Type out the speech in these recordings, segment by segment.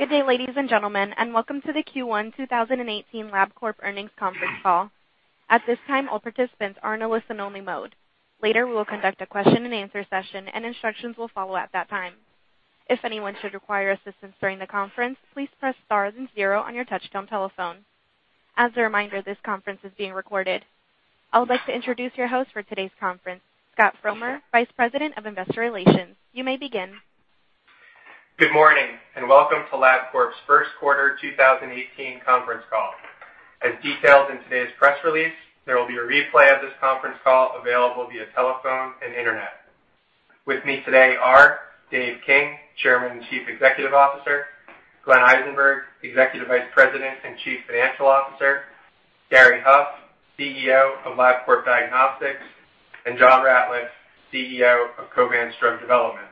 Good day, ladies and gentlemen, welcome to the Q1 2018 Labcorp earnings conference call. At this time, all participants are in a listen-only mode. Later, we will conduct a question and answer session and instructions will follow at that time. If anyone should require assistance during the conference, please press star 0 on your touch-tone telephone. As a reminder, this conference is being recorded. I would like to introduce your host for today's conference, Scott Frommer, Vice President of Investor Relations. You may begin. Good morning, welcome to Labcorp's first quarter 2018 conference call. As detailed in today's press release, there will be a replay of this conference call available via telephone and internet. With me today are Dave King, Chairman and Chief Executive Officer, Glenn Eisenberg, Executive Vice President and Chief Financial Officer, Gary Huff, CEO of Labcorp Diagnostics, and John Ratliff, CEO of Covance Drug Development.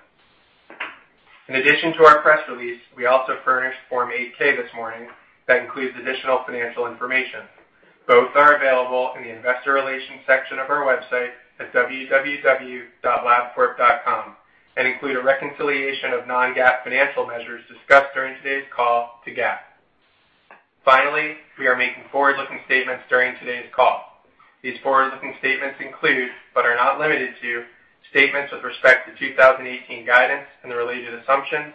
In addition to our press release, we also furnished Form 8-K this morning that includes additional financial information. Both are available in the investor relations section of our website at www.labcorp.com and include a reconciliation of non-GAAP financial measures discussed during today's call to GAAP. We are making forward-looking statements during today's call. These forward-looking statements include, but are not limited to, statements with respect to 2018 guidance and the related assumptions,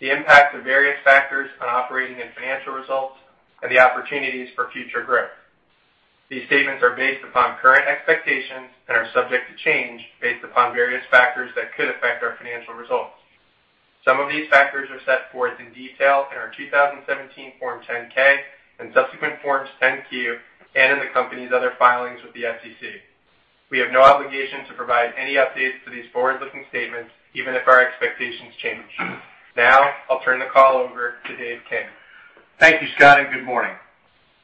the impact of various factors on operating and financial results, and the opportunities for future growth. These statements are based upon current expectations and are subject to change based upon various factors that could affect our financial results. Some of these factors are set forth in detail in our 2017 Form 10-K and subsequent Forms 10-Q, and in the company's other filings with the SEC. We have no obligation to provide any updates to these forward-looking statements, even if our expectations change. I'll turn the call over to Dave King. Thank you, Scott, good morning.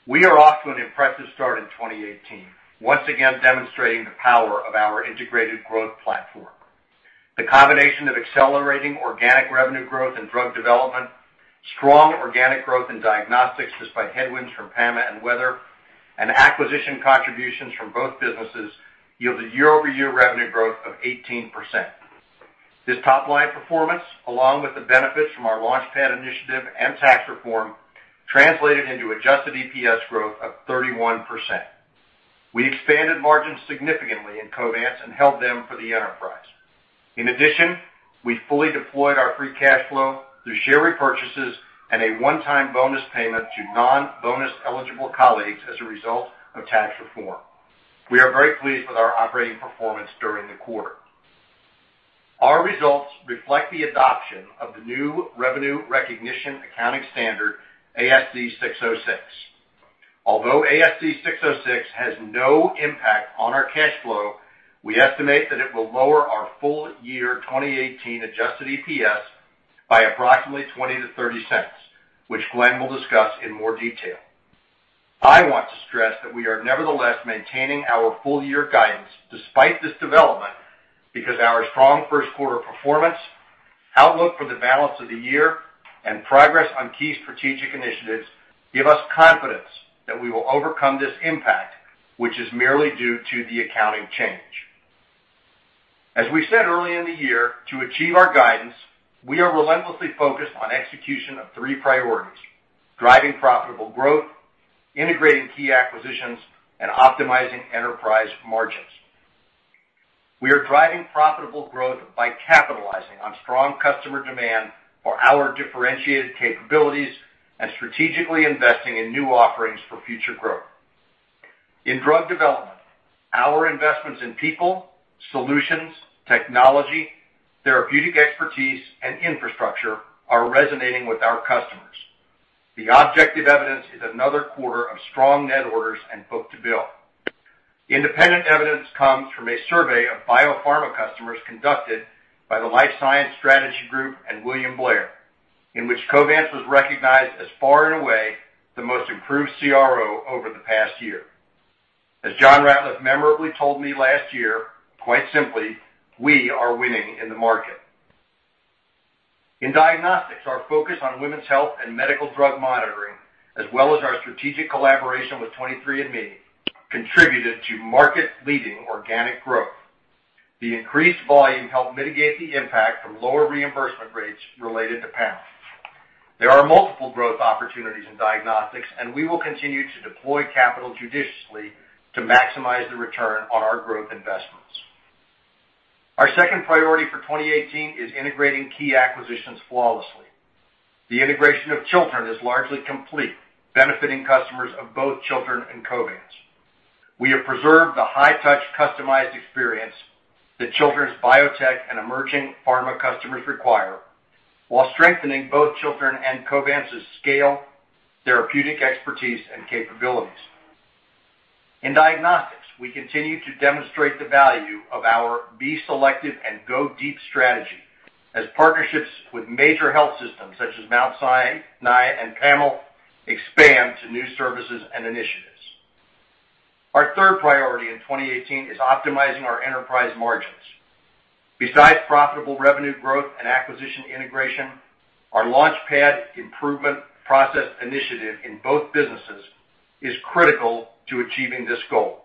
We are off to an impressive start in 2018, once again demonstrating the power of our integrated growth platform. The combination of accelerating organic revenue growth and drug development, strong organic growth in diagnostics despite headwinds from PAMA and weather, and acquisition contributions from both businesses yielded year-over-year revenue growth of 18%. This top-line performance, along with the benefits from our LaunchPad initiative and tax reform, translated into adjusted EPS growth of 31%. We expanded margins significantly in Covance and held them for the enterprise. We fully deployed our free cash flow through share repurchases and a one-time bonus payment to non-bonus eligible colleagues as a result of tax reform. We are very pleased with our operating performance during the quarter. Our results reflect the adoption of the new revenue recognition accounting standard, ASC 606. Although ASC 606 has no impact on our cash flow, we estimate that it will lower our full year 2018 adjusted EPS by approximately $0.20-$0.30, which Glenn will discuss in more detail. I want to stress that we are nevertheless maintaining our full-year guidance despite this development because our strong first quarter performance, outlook for the balance of the year, and progress on key strategic initiatives give us confidence that we will overcome this impact, which is merely due to the accounting change. As we said earlier in the year, to achieve our guidance, we are relentlessly focused on execution of three priorities: driving profitable growth, integrating key acquisitions, and optimizing enterprise margins. We are driving profitable growth by capitalizing on strong customer demand for our differentiated capabilities and strategically investing in new offerings for future growth. In drug development, our investments in people, solutions, technology, therapeutic expertise, and infrastructure are resonating with our customers. The objective evidence is another quarter of strong net orders and book-to-bill. Independent evidence comes from a survey of biopharma customers conducted by the Life Science Strategy Group and William Blair, in which Covance was recognized as far and away the most improved CRO over the past year. As John Ratliff memorably told me last year, quite simply, we are winning in the market. In diagnostics, our focus on women's health and medical drug monitoring, as well as our strategic collaboration with 23andMe, contributed to market-leading organic growth. The increased volume helped mitigate the impact from lower reimbursement rates related to PAMA. There are multiple growth opportunities in diagnostics, and we will continue to deploy capital judiciously to maximize the return on our growth investments. Our second priority for 2018 is integrating key acquisitions flawlessly. The integration of Chiltern is largely complete, benefiting customers of both Chiltern and Covance. We have preserved the high-touch, customized experience that Chiltern's biotech and emerging pharma customers require while strengthening both Chiltern and Covance's scale, therapeutic expertise, and capabilities. In diagnostics, we continue to demonstrate the value of our be selective and go deep strategy as partnerships with major health systems such as Mount Sinai and PAML expand to new services and initiatives. Our third priority in 2018 is optimizing our enterprise margins. Besides profitable revenue growth and acquisition integration, our LaunchPad improvement process initiative in both businesses is critical to achieving this goal.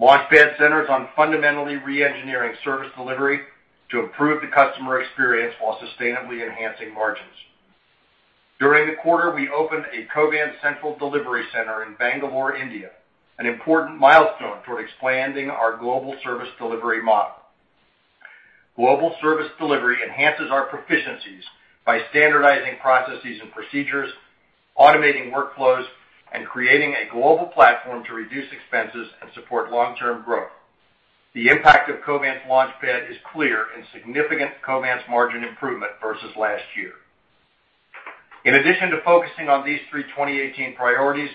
LaunchPad centers on fundamentally re-engineering service delivery to improve the customer experience while sustainably enhancing margins. During the quarter, we opened a Covance central delivery center in Bangalore, India, an important milestone toward expanding our global service delivery model. Global service delivery enhances our proficiencies by standardizing processes and procedures, automating workflows, and creating a global platform to reduce expenses and support long-term growth. The impact of Covance LaunchPad is clear in significant Covance margin improvement versus last year. In addition to focusing on these three 2018 priorities,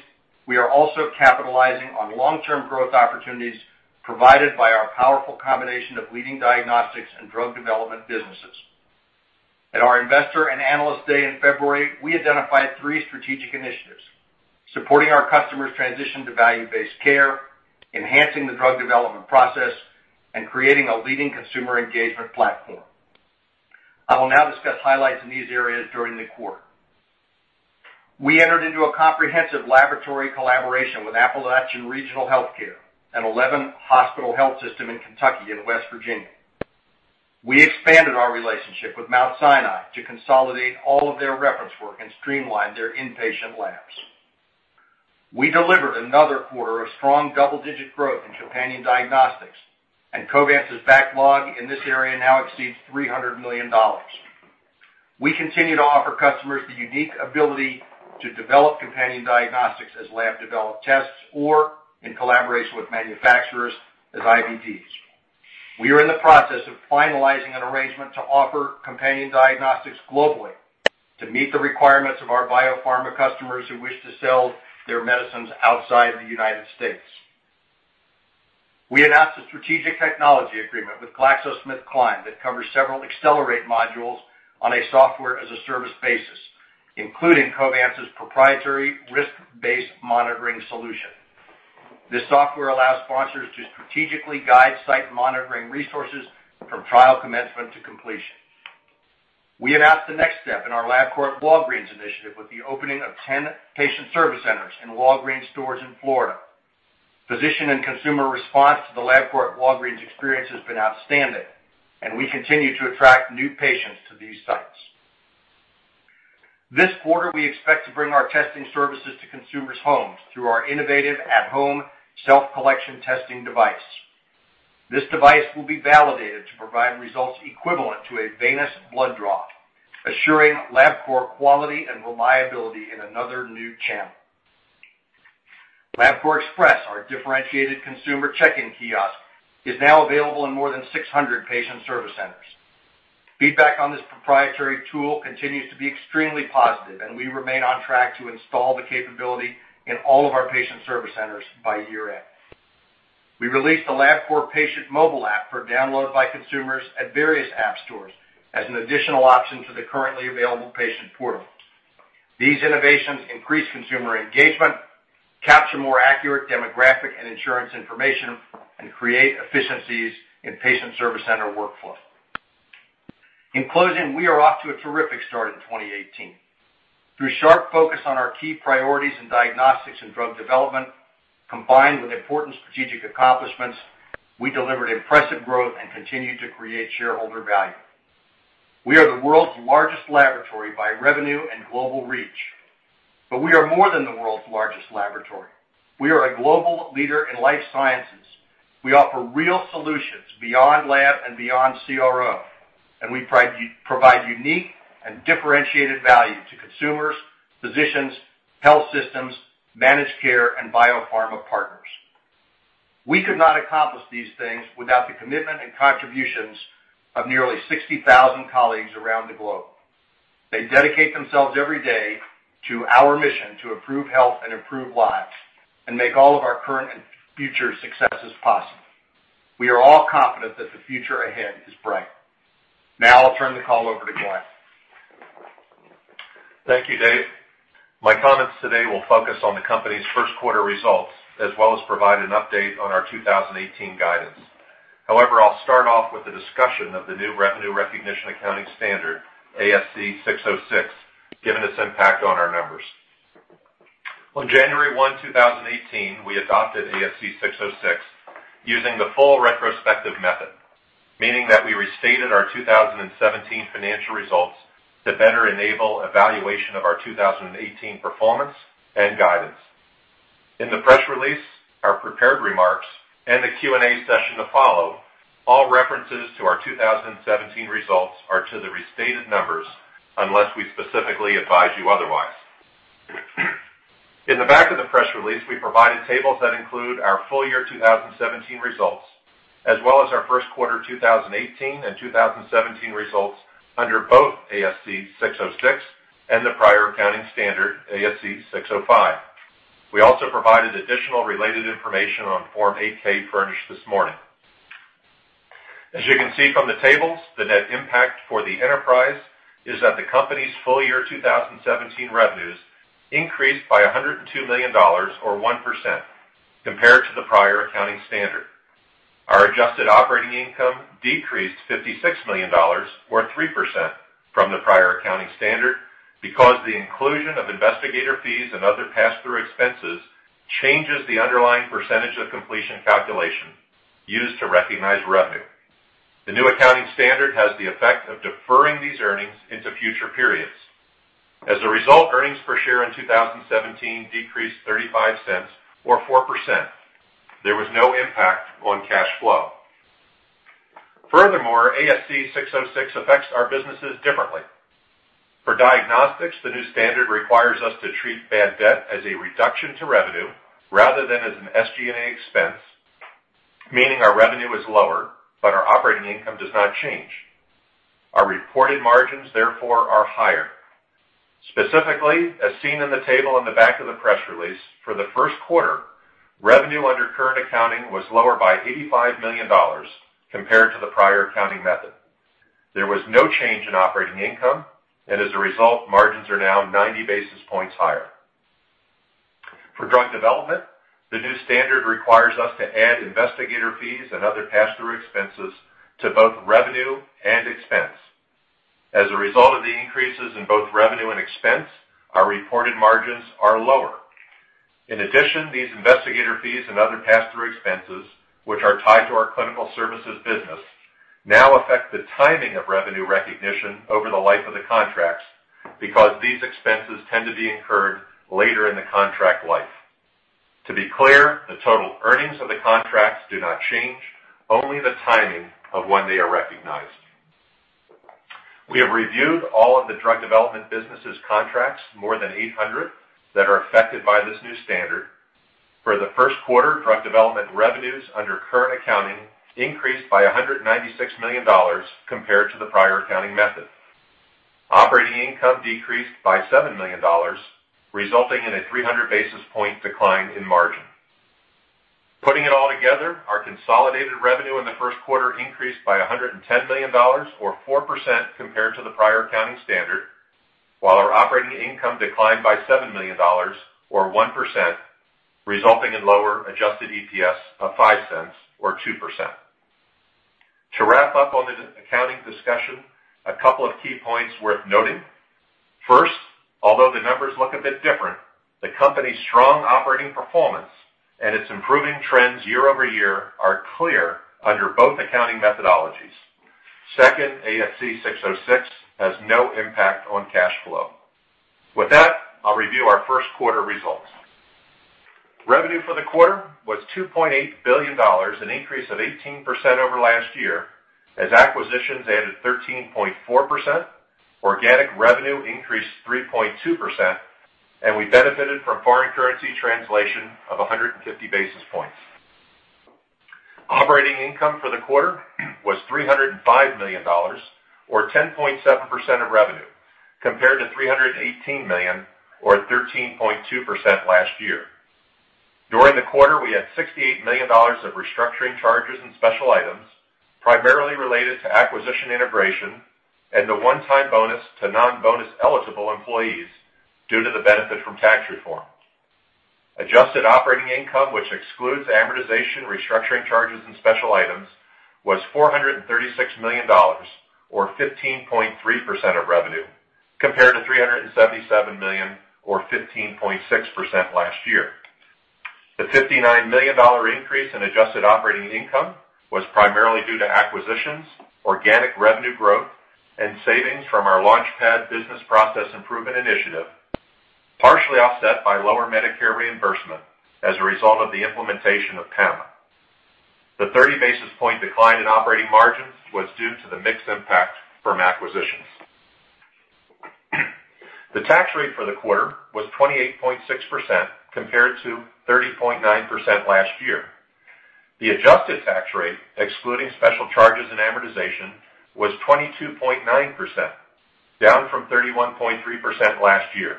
we are also capitalizing on long-term growth opportunities provided by our powerful combination of leading diagnostics and drug development businesses. At our investor and analyst day in February, we identified three strategic initiatives: supporting our customers' transition to value-based care, enhancing the drug development process, and creating a leading consumer engagement platform. I will now discuss highlights in these areas during the quarter. We entered into a comprehensive laboratory collaboration with Appalachian Regional Healthcare, an 11-hospital health system in Kentucky and West Virginia. We expanded our relationship with Mount Sinai to consolidate all of their reference work and streamline their inpatient labs. We delivered another quarter of strong double-digit growth in companion diagnostics, and Covance's backlog in this area now exceeds $300 million. We continue to offer customers the unique ability to develop companion diagnostics as Laboratory Developed Tests or in collaboration with manufacturers as IVDs. We are in the process of finalizing an arrangement to offer companion diagnostics globally to meet the requirements of our biopharma customers who wish to sell their medicines outside the United States. We announced a strategic technology agreement with GlaxoSmithKline that covers several Accelerate modules on a software-as-a-service basis, including Covance's proprietary risk-based monitoring solution. This software allows sponsors to strategically guide site monitoring resources from trial commencement to completion. We announced the next step in our Labcorp Walgreens Initiative with the opening of 10 patient service centers in Walgreens stores in Florida. Physician and consumer response to the Labcorp Walgreens experience has been outstanding, and we continue to attract new patients to these sites. This quarter, we expect to bring our testing services to consumers' homes through our innovative at-home self-collection testing device. This device will be validated to provide results equivalent to a venous blood draw, assuring Labcorp quality and reliability in another new channel. Labcorp Express, our differentiated consumer check-in kiosk, is now available in more than 600 patient service centers. Feedback on this proprietary tool continues to be extremely positive, and we remain on track to install the capability in all of our patient service centers by year-end. We released the Labcorp patient mobile app for download by consumers at various app stores as an additional option to the currently available patient portal. These innovations increase consumer engagement, capture more accurate demographic and insurance information, and create efficiencies in patient service center workflow. In closing, we are off to a terrific start in 2018. Through sharp focus on our key priorities in diagnostics and drug development, combined with important strategic accomplishments, we delivered impressive growth and continue to create shareholder value. We are the world's largest laboratory by revenue and global reach. We are more than the world's largest laboratory. We are a global leader in life sciences. We offer real solutions beyond lab and beyond CRO, and we provide unique and differentiated value to consumers, physicians, health systems, managed care, and biopharma partners. We could not accomplish these things without the commitment and contributions of nearly 60,000 colleagues around the globe. They dedicate themselves every day to our mission to improve health and improve lives and make all of our current and future successes possible. We are all confident that the future ahead is bright. Now I'll turn the call over to Glenn. Thank you, Dave. My comments today will focus on the company's first quarter results, as well as provide an update on our 2018 guidance. I'll start off with a discussion of the new revenue recognition accounting standard, ASC 606, given its impact on our numbers. On January 1, 2018, we adopted ASC 606 using the full retrospective method, meaning that we restated our 2017 financial results to better enable evaluation of our 2018 performance and guidance. In the press release, our prepared remarks and the Q&A session to follow, all references to our 2017 results are to the restated numbers unless we specifically advise you otherwise. In the back of the press release, we provided tables that include our full year 2017 results, as well as our first quarter 2018 and 2017 results under both ASC 606 and the prior accounting standard, ASC 605. We also provided additional related information on Form 8-K furnished this morning. As you can see from the tables, the net impact for the enterprise is that the company's full year 2017 revenues increased by $102 million, or 1%, compared to the prior accounting standard. Our adjusted operating income decreased $56 million, or 3%, from the prior accounting standard because the inclusion of investigator fees and other pass-through expenses changes the underlying percentage of completion calculation used to recognize revenue. The new accounting standard has the effect of deferring these earnings into future periods. As a result, earnings per share in 2017 decreased $0.35, or 4%. There was no impact on cash flow. Furthermore, ASC 606 affects our businesses differently. For diagnostics, the new standard requires us to treat bad debt as a reduction to revenue rather than as an SG&A expense, meaning our revenue is lower, but our operating income does not change. Our reported margins, therefore, are higher. Specifically, as seen in the table in the back of the press release, for the first quarter, revenue under current accounting was lower by $85 million compared to the prior accounting method. There was no change in operating income, and as a result, margins are now 90 basis points higher. For drug development, the new standard requires us to add investigator fees and other pass-through expenses to both revenue and expense. As a result of the increases in both revenue and expense, our reported margins are lower. In addition, these investigator fees and other pass-through expenses, which are tied to our clinical services business, now affect the timing of revenue recognition over the life of the contracts because these expenses tend to be incurred later in the contract life. To be clear, the total earnings of the contracts do not change, only the timing of when they are recognized. We have reviewed all of the drug development business' contracts, more than 800, that are affected by this new standard. For the first quarter, drug development revenues under current accounting increased by $196 million compared to the prior accounting method. Operating income decreased by $7 million, resulting in a 300 basis point decline in margin. Putting it all together, our consolidated revenue in the first quarter increased by $110 million, or 4%, compared to the prior accounting standard, while our operating income declined by $7 million, or 1%, resulting in lower adjusted EPS of $0.05, or 2%. To wrap up on the accounting discussion, a couple of key points worth noting. First, although the numbers look a bit different, the company's strong operating performance and its improving trends year-over-year are clear under both accounting methodologies. Second, ASC 606 has no impact on cash flow. With that, I'll review our first quarter results. Revenue for the quarter was $2.8 billion, an increase of 18% over last year as acquisitions added 13.4%, organic revenue increased 3.2%, and we benefited from foreign currency translation of 150 basis points. Operating income for the quarter was $305 million, or 10.7% of revenue, compared to $318 million, or 13.2%, last year. During the quarter, we had $68 million of restructuring charges and special items primarily related to acquisition integration and the one-time bonus to non-bonus eligible employees due to the benefit from tax reform. Adjusted operating income, which excludes amortization, restructuring charges, and special items, was $436 million, or 15.3% of revenue, compared to $377 million, or 15.6%, last year. The $59 million increase in adjusted operating income was primarily due to acquisitions, organic revenue growth, and savings from our LaunchPad business process improvement initiative, partially offset by lower Medicare reimbursement as a result of the implementation of PAMA. The 30 basis point decline in operating margins was due to the mixed impact from acquisitions. The tax rate for the quarter was 28.6%, compared to 30.9% last year. The adjusted tax rate, excluding special charges and amortization, was 22.9%, down from 31.3% last year.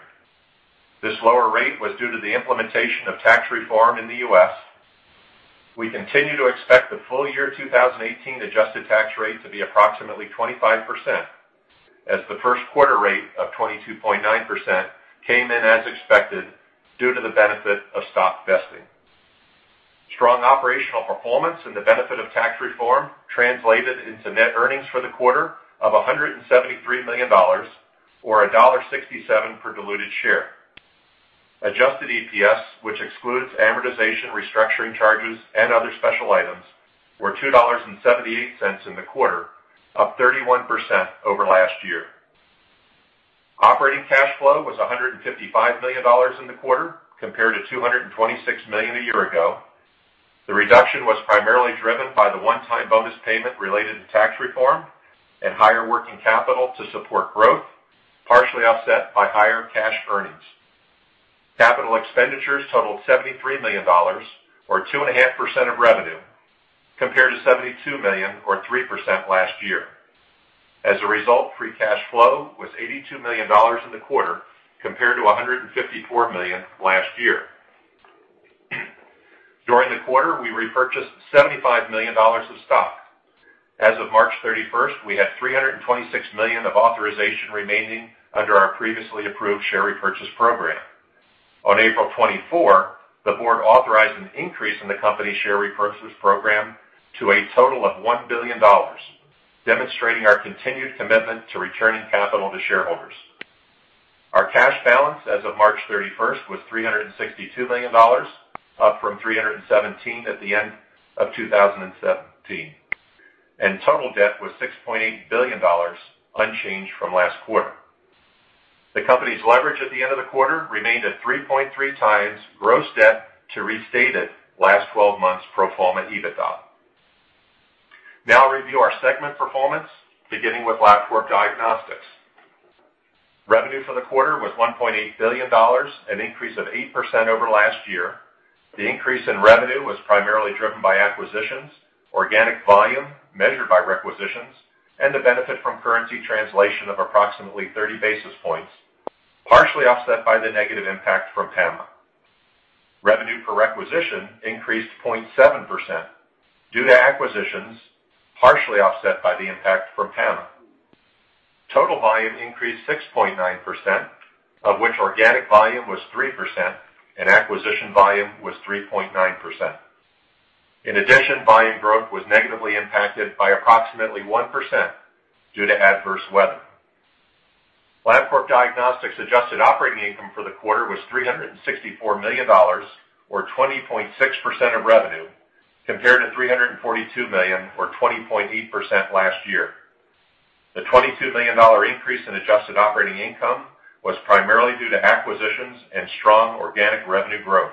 This lower rate was due to the implementation of tax reform in the U.S. We continue to expect the full year 2018 adjusted tax rate to be approximately 25%, as the first quarter rate of 22.9% came in as expected due to the benefit of stock vesting. Strong operational performance and the benefit of tax reform translated into net earnings for the quarter of $173 million, or $1.67 per diluted share. Adjusted EPS, which excludes amortization, restructuring charges, and other special items, were $2.78 in the quarter, up 31% over last year. Operating cash flow was $155 million in the quarter, compared to $226 million a year ago. The reduction was primarily driven by the one-time bonus payment related to tax reform and higher working capital to support growth, partially offset by higher cash earnings. Capital expenditures totaled $73 million, or 2.5% of revenue, compared to $72 million, or 3%, last year. As a result, free cash flow was $82 million in the quarter, compared to $154 million last year. During the quarter, we repurchased $75 million of stock. As of March 31st, we had $326 million of authorization remaining under our previously approved share repurchase program. On April 24, the board authorized an increase in the company's share repurchase program to a total of $1 billion, demonstrating our continued commitment to returning capital to shareholders. Our cash balance as of March 31st was $362 million, up from $317 at the end of 2017. Total debt was $6.8 billion, unchanged from last quarter. The company's leverage at the end of the quarter remained at 3.3 times gross debt to restated last 12 months pro forma EBITDA. I'll review our segment performance, beginning with Labcorp Diagnostics. Revenue for the quarter was $1.8 billion, an increase of 8% over last year. The increase in revenue was primarily driven by acquisitions, organic volume measured by requisitions, and the benefit from currency translation of approximately 30 basis points, partially offset by the negative impact from PAMA. Revenue per requisition increased 0.7% due to acquisitions, partially offset by the impact from PAMA. Total volume increased 6.9%, of which organic volume was 3% and acquisition volume was 3.9%. In addition, volume growth was negatively impacted by approximately 1% due to adverse weather. Labcorp Diagnostics adjusted operating income for the quarter was $364 million, or 20.6% of revenue, compared to $342 million, or 20.8% last year. The $22 million increase in adjusted operating income was primarily due to acquisitions and strong organic revenue growth.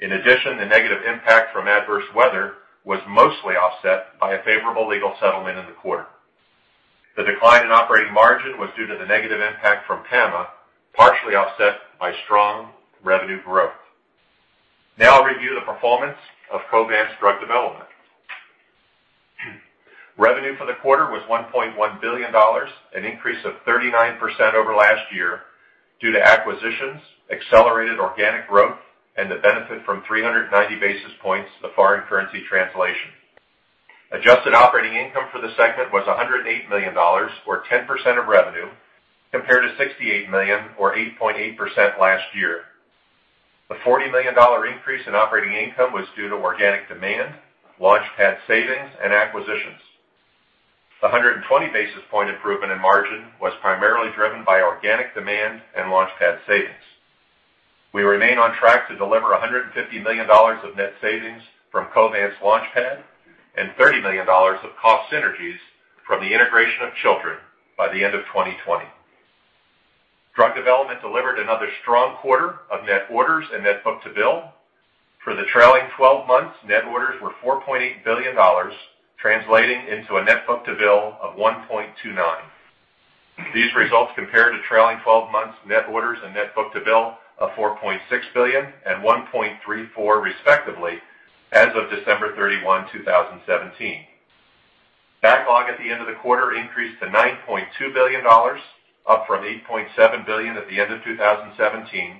In addition, the negative impact from adverse weather was mostly offset by a favorable legal settlement in the quarter. The decline in operating margin was due to the negative impact from PAMA, partially offset by strong revenue growth. I'll review the performance of Covance Drug Development. Revenue for the quarter was $1.1 billion, an increase of 39% over last year due to acquisitions, accelerated organic growth, and the benefit from 390 basis points of foreign currency translation. Adjusted operating income for the segment was $108 million, or 10% of revenue, compared to $68 million, or 8.8% last year. The $40 million increase in operating income was due to organic demand, LaunchPad savings, and acquisitions. The 120 basis point improvement in margin was primarily driven by organic demand and LaunchPad savings. We remain on track to deliver $150 million of net savings from Covance LaunchPad and $30 million of cost synergies from the integration of Chiltern by the end of 2020. Drug development delivered another strong quarter of net orders and net book-to-bill. For the trailing 12 months, net orders were $4.8 billion, translating into a net book-to-bill of 1.29. These results compare to trailing 12 months net orders and net book-to-bill of $4.6 billion and 1.34 respectively as of December 31, 2017. Backlog at the end of the quarter increased to $9.2 billion, up from $8.7 billion at the end of 2017,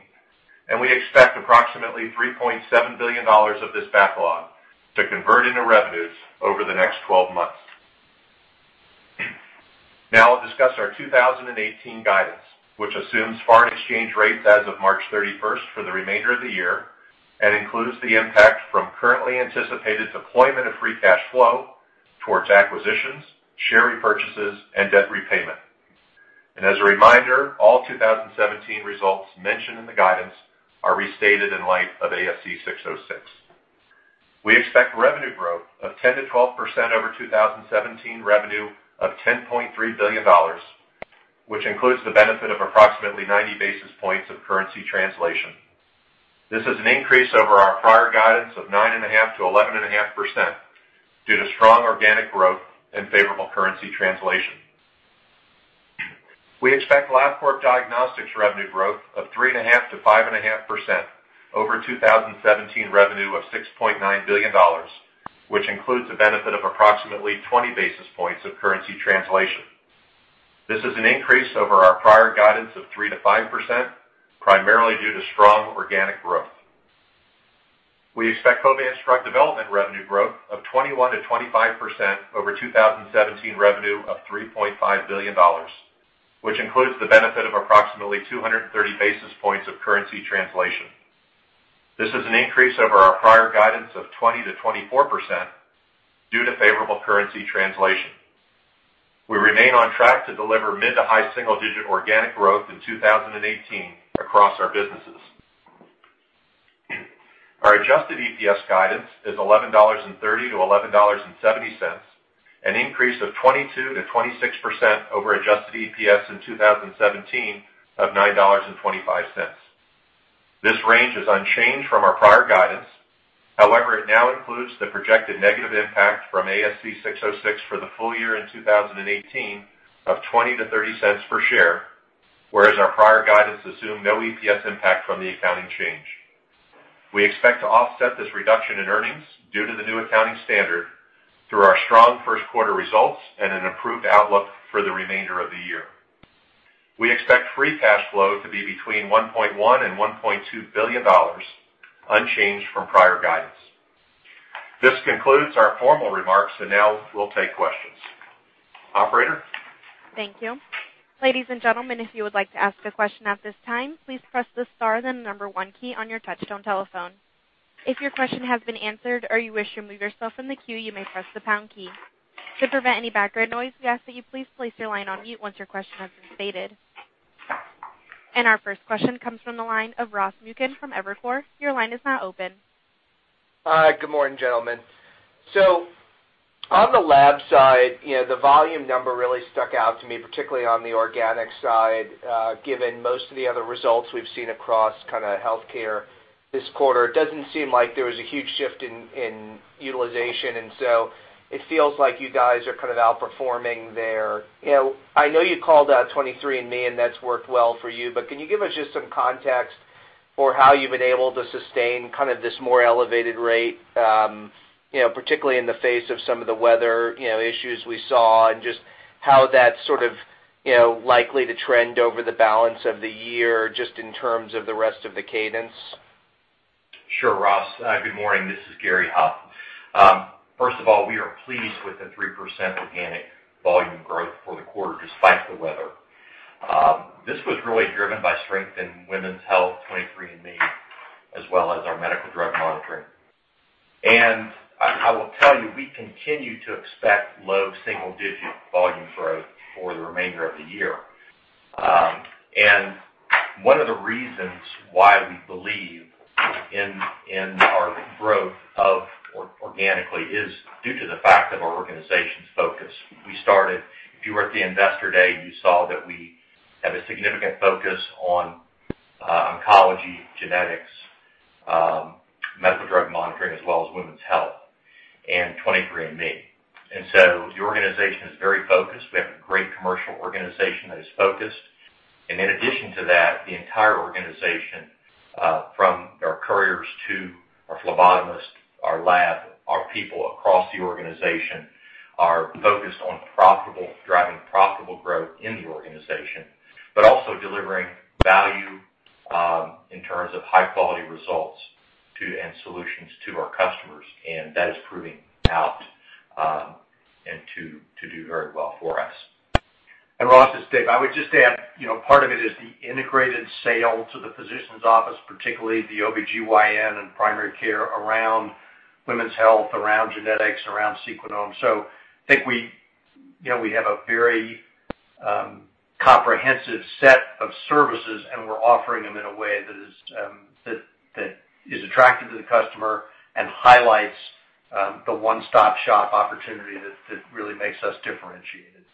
and we expect approximately $3.7 billion of this backlog to convert into revenues over the next 12 months. I'll discuss our 2018 guidance, which assumes foreign exchange rates as of March 31st for the remainder of the year and includes the impact from currently anticipated deployment of free cash flow towards acquisitions, share repurchases, and debt repayment. As a reminder, all 2017 results mentioned in the guidance are restated in light of ASC 606. We expect revenue growth of 10%-12% over 2017 revenue of $10.3 billion, which includes the benefit of approximately 90 basis points of currency translation. This is an increase over our prior guidance of 9.5%-11.5% due to strong organic growth and favorable currency translation. We expect Labcorp Diagnostics revenue growth of 3.5%-5.5% over 2017 revenue of $6.9 billion, which includes a benefit of approximately 20 basis points of currency translation. This is an increase over our prior guidance of 3%-5%, primarily due to strong organic growth. We expect Covance Drug Development revenue growth of 21%-25% over 2017 revenue of $3.5 billion, which includes the benefit of approximately 230 basis points of currency translation. This is an increase over our prior guidance of 20%-24% due to favorable currency translation. We remain on track to deliver mid to high single-digit organic growth in 2018 across our businesses. Our adjusted EPS guidance is $11.30-$11.70, an increase of 22%-26% over adjusted EPS in 2017 of $9.25. This range is unchanged from our prior guidance. However, it now includes the projected negative impact from ASC 606 for the full year in 2018 of $0.20-$0.30 per share, whereas our prior guidance assumed no EPS impact from the accounting change. We expect to offset this reduction in earnings due to the new accounting standard through our strong first quarter results and an improved outlook for the remainder of the year. We expect free cash flow to be between $1.1 billion and $1.2 billion, unchanged from prior guidance. This concludes our formal remarks, and now we'll take questions. Operator? Thank you. Ladies and gentlemen, if you would like to ask a question at this time, please press the star, then number 1 key on your touchtone telephone. If your question has been answered or you wish to remove yourself from the queue, you may press the pound key. To prevent any background noise, we ask that you please place your line on mute once your question has been stated. Our first question comes from the line of Ross Muken from Evercore. Your line is now open. Hi. Good morning, gentlemen. On the lab side, the volume number really stuck out to me, particularly on the organic side, given most of the other results we've seen across healthcare this quarter. It doesn't seem like there was a huge shift in utilization, so it feels like you guys are outperforming there. I know you called out 23andMe, that's worked well for you, but can you give us just some context for how you've been able to sustain this more elevated rate, particularly in the face of some of the weather issues we saw, just how that's likely to trend over the balance of the year, just in terms of the rest of the cadence? Sure, Ross. Good morning. This is Glenn Eisenberg. First of all, we are pleased with the 3% organic volume growth for the quarter, despite the weather. This was really driven by strength in women's health, 23andMe, as well as our medical drug monitoring. I will tell you, we continue to expect low single-digit volume growth for the remainder of the year. One of the reasons why we believe in our growth organically is due to the fact of our organization's focus. If you were at the investor day, you saw that we have a significant focus on oncology, genetics, medical drug monitoring, as well as women's health and 23andMe. The organization is very focused. We have a great commercial organization that is focused. In addition to that, the entire organization, from our couriers to our phlebotomists, our lab, our people across the organization, are focused on driving profitable growth in the organization, but also delivering value in terms of high-quality results and solutions to our customers. That is proving out to do very well for us. Ross, it's Dave. I would just add, part of it is the integrated sale to the physician's office, particularly the OBGYN and primary care around women's health, around genetics, around Sequenom. I think we have a very comprehensive set of services, and we're offering them in a way that is attractive to the customer and highlights the one-stop-shop opportunity that really makes us differentiated.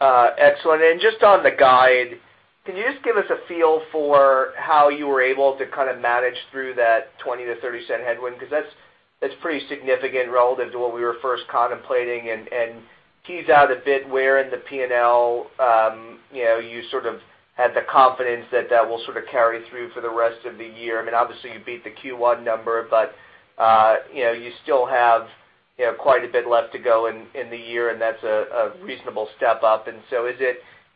Excellent. Just on the guide, can you just give us a feel for how you were able to manage through that $0.20-$0.30 headwind? That's pretty significant relative to what we were first contemplating. Tease out a bit where in the P&L you sort of had the confidence that that will carry through for the rest of the year. Obviously, you beat the Q1 number, you still have quite a bit left to go in the year, and that's a reasonable step up.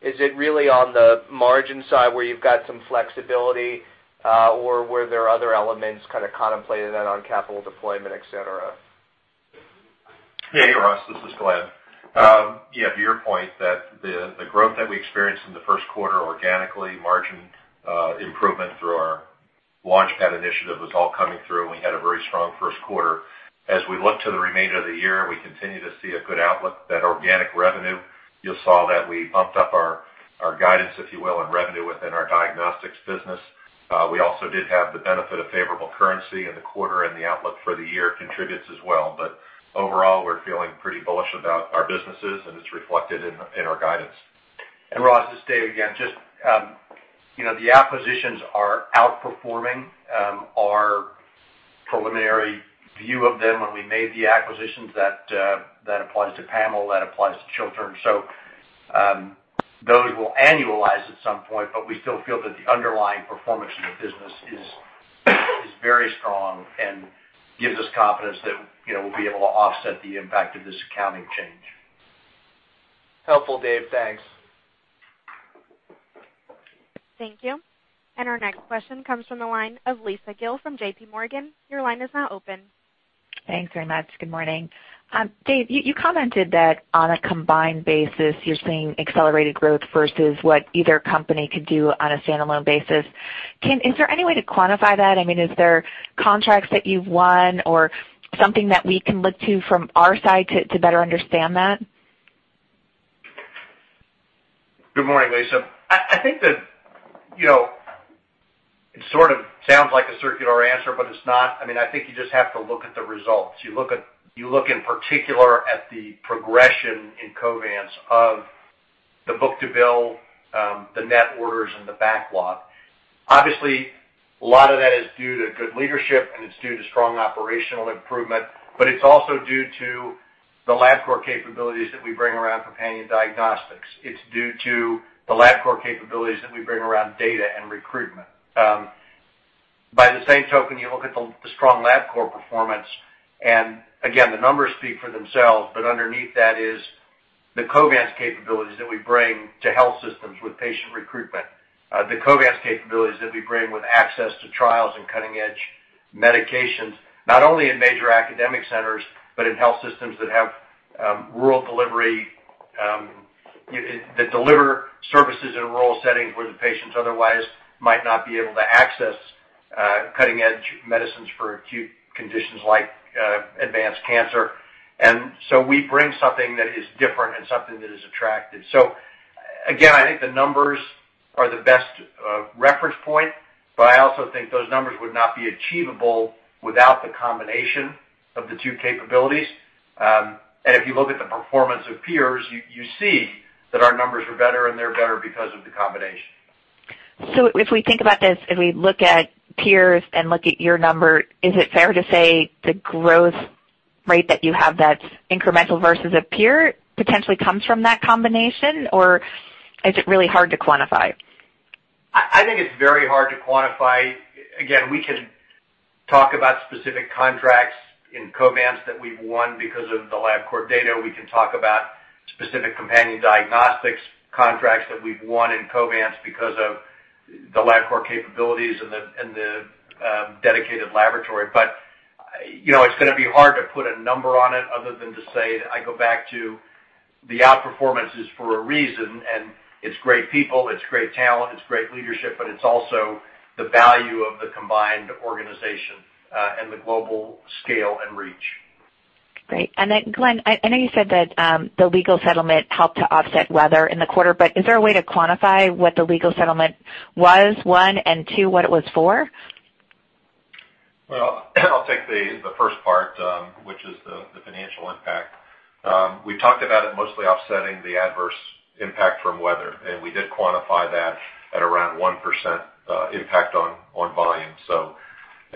Is it really on the margin side where you've got some flexibility? Were there other elements contemplated then on capital deployment, et cetera? Ross, this is Glenn. To your point that the growth that we experienced in the first quarter organically, margin improvement through our LaunchPad initiative was all coming through, and we had a very strong first quarter. As we look to the remainder of the year, we continue to see a good outlook. That organic revenue, you'll saw that we bumped up our guidance, if you will, on revenue within our diagnostics business. We also did have the benefit of favorable currency in the quarter, and the outlook for the year contributes as well. Overall, we're feeling pretty bullish about our businesses, and it's reflected in our guidance. Ross, this is Dave again. Just the acquisitions are outperforming our preliminary view of them when we made the acquisitions. That applies to PAML, that applies to Chiltern. Those will annualize at some point, we still feel that the underlying performance of the business is very strong and gives us confidence that we'll be able to offset the impact of this accounting change. Helpful, Dave. Thanks. Thank you. Our next question comes from the line of Lisa Gill from J.P. Morgan. Your line is now open. Thanks very much. Good morning. Dave, you commented that on a combined basis, you're seeing accelerated growth versus what either company could do on a standalone basis. Is there any way to quantify that? Is there contracts that you've won or something that we can look to from our side to better understand that? Good morning, Lisa. I think that it sort of sounds like a circular answer, but it's not. I think you just have to look at the results. You look in particular at the progression in Covance of the book-to-bill, the net orders, and the backlog. Obviously, a lot of that is due to good leadership, and it's due to strong operational improvement, but it's also due to the Labcorp capabilities that we bring around companion diagnostics. It's due to the Labcorp capabilities that we bring around data and recruitment. By the same token, you look at the strong Labcorp performance, and again, the numbers speak for themselves. Underneath that is the Covance capabilities that we bring to health systems with patient recruitment, the Covance capabilities that we bring with access to trials and cutting-edge medications, not only in major academic centers, but in health systems that deliver services in rural settings where the patients otherwise might not be able to access cutting-edge medicines for acute conditions like advanced cancer. We bring something that is different and something that is attractive. Again, I think the numbers are the best reference point, but I also think those numbers would not be achievable without the combination of the two capabilities. If you look at the performance of peers, you see that our numbers are better, and they're better because of the combination. If we think about this and we look at peers and look at your number, is it fair to say the growth rate that you have that's incremental versus a peer potentially comes from that combination, or is it really hard to quantify? I think it's very hard to quantify. We can talk about specific contracts in Covance that we've won because of the Labcorp data. We can talk about specific companion diagnostics contracts that we've won in Covance because of the Labcorp capabilities and the dedicated laboratory. It's going to be hard to put a number on it other than to say, I go back to the outperformance is for a reason, and it's great people, it's great talent, it's great leadership, but it's also the value of the combined organization, and the global scale and reach. Great. Glenn, I know you said that the legal settlement helped to offset weather in the quarter, but is there a way to quantify what the legal settlement was, one, and two, what it was for? Well, I'll take the first part, which is the financial impact. We talked about it mostly offsetting the adverse impact from weather, and we did quantify that at around 1% impact on volume.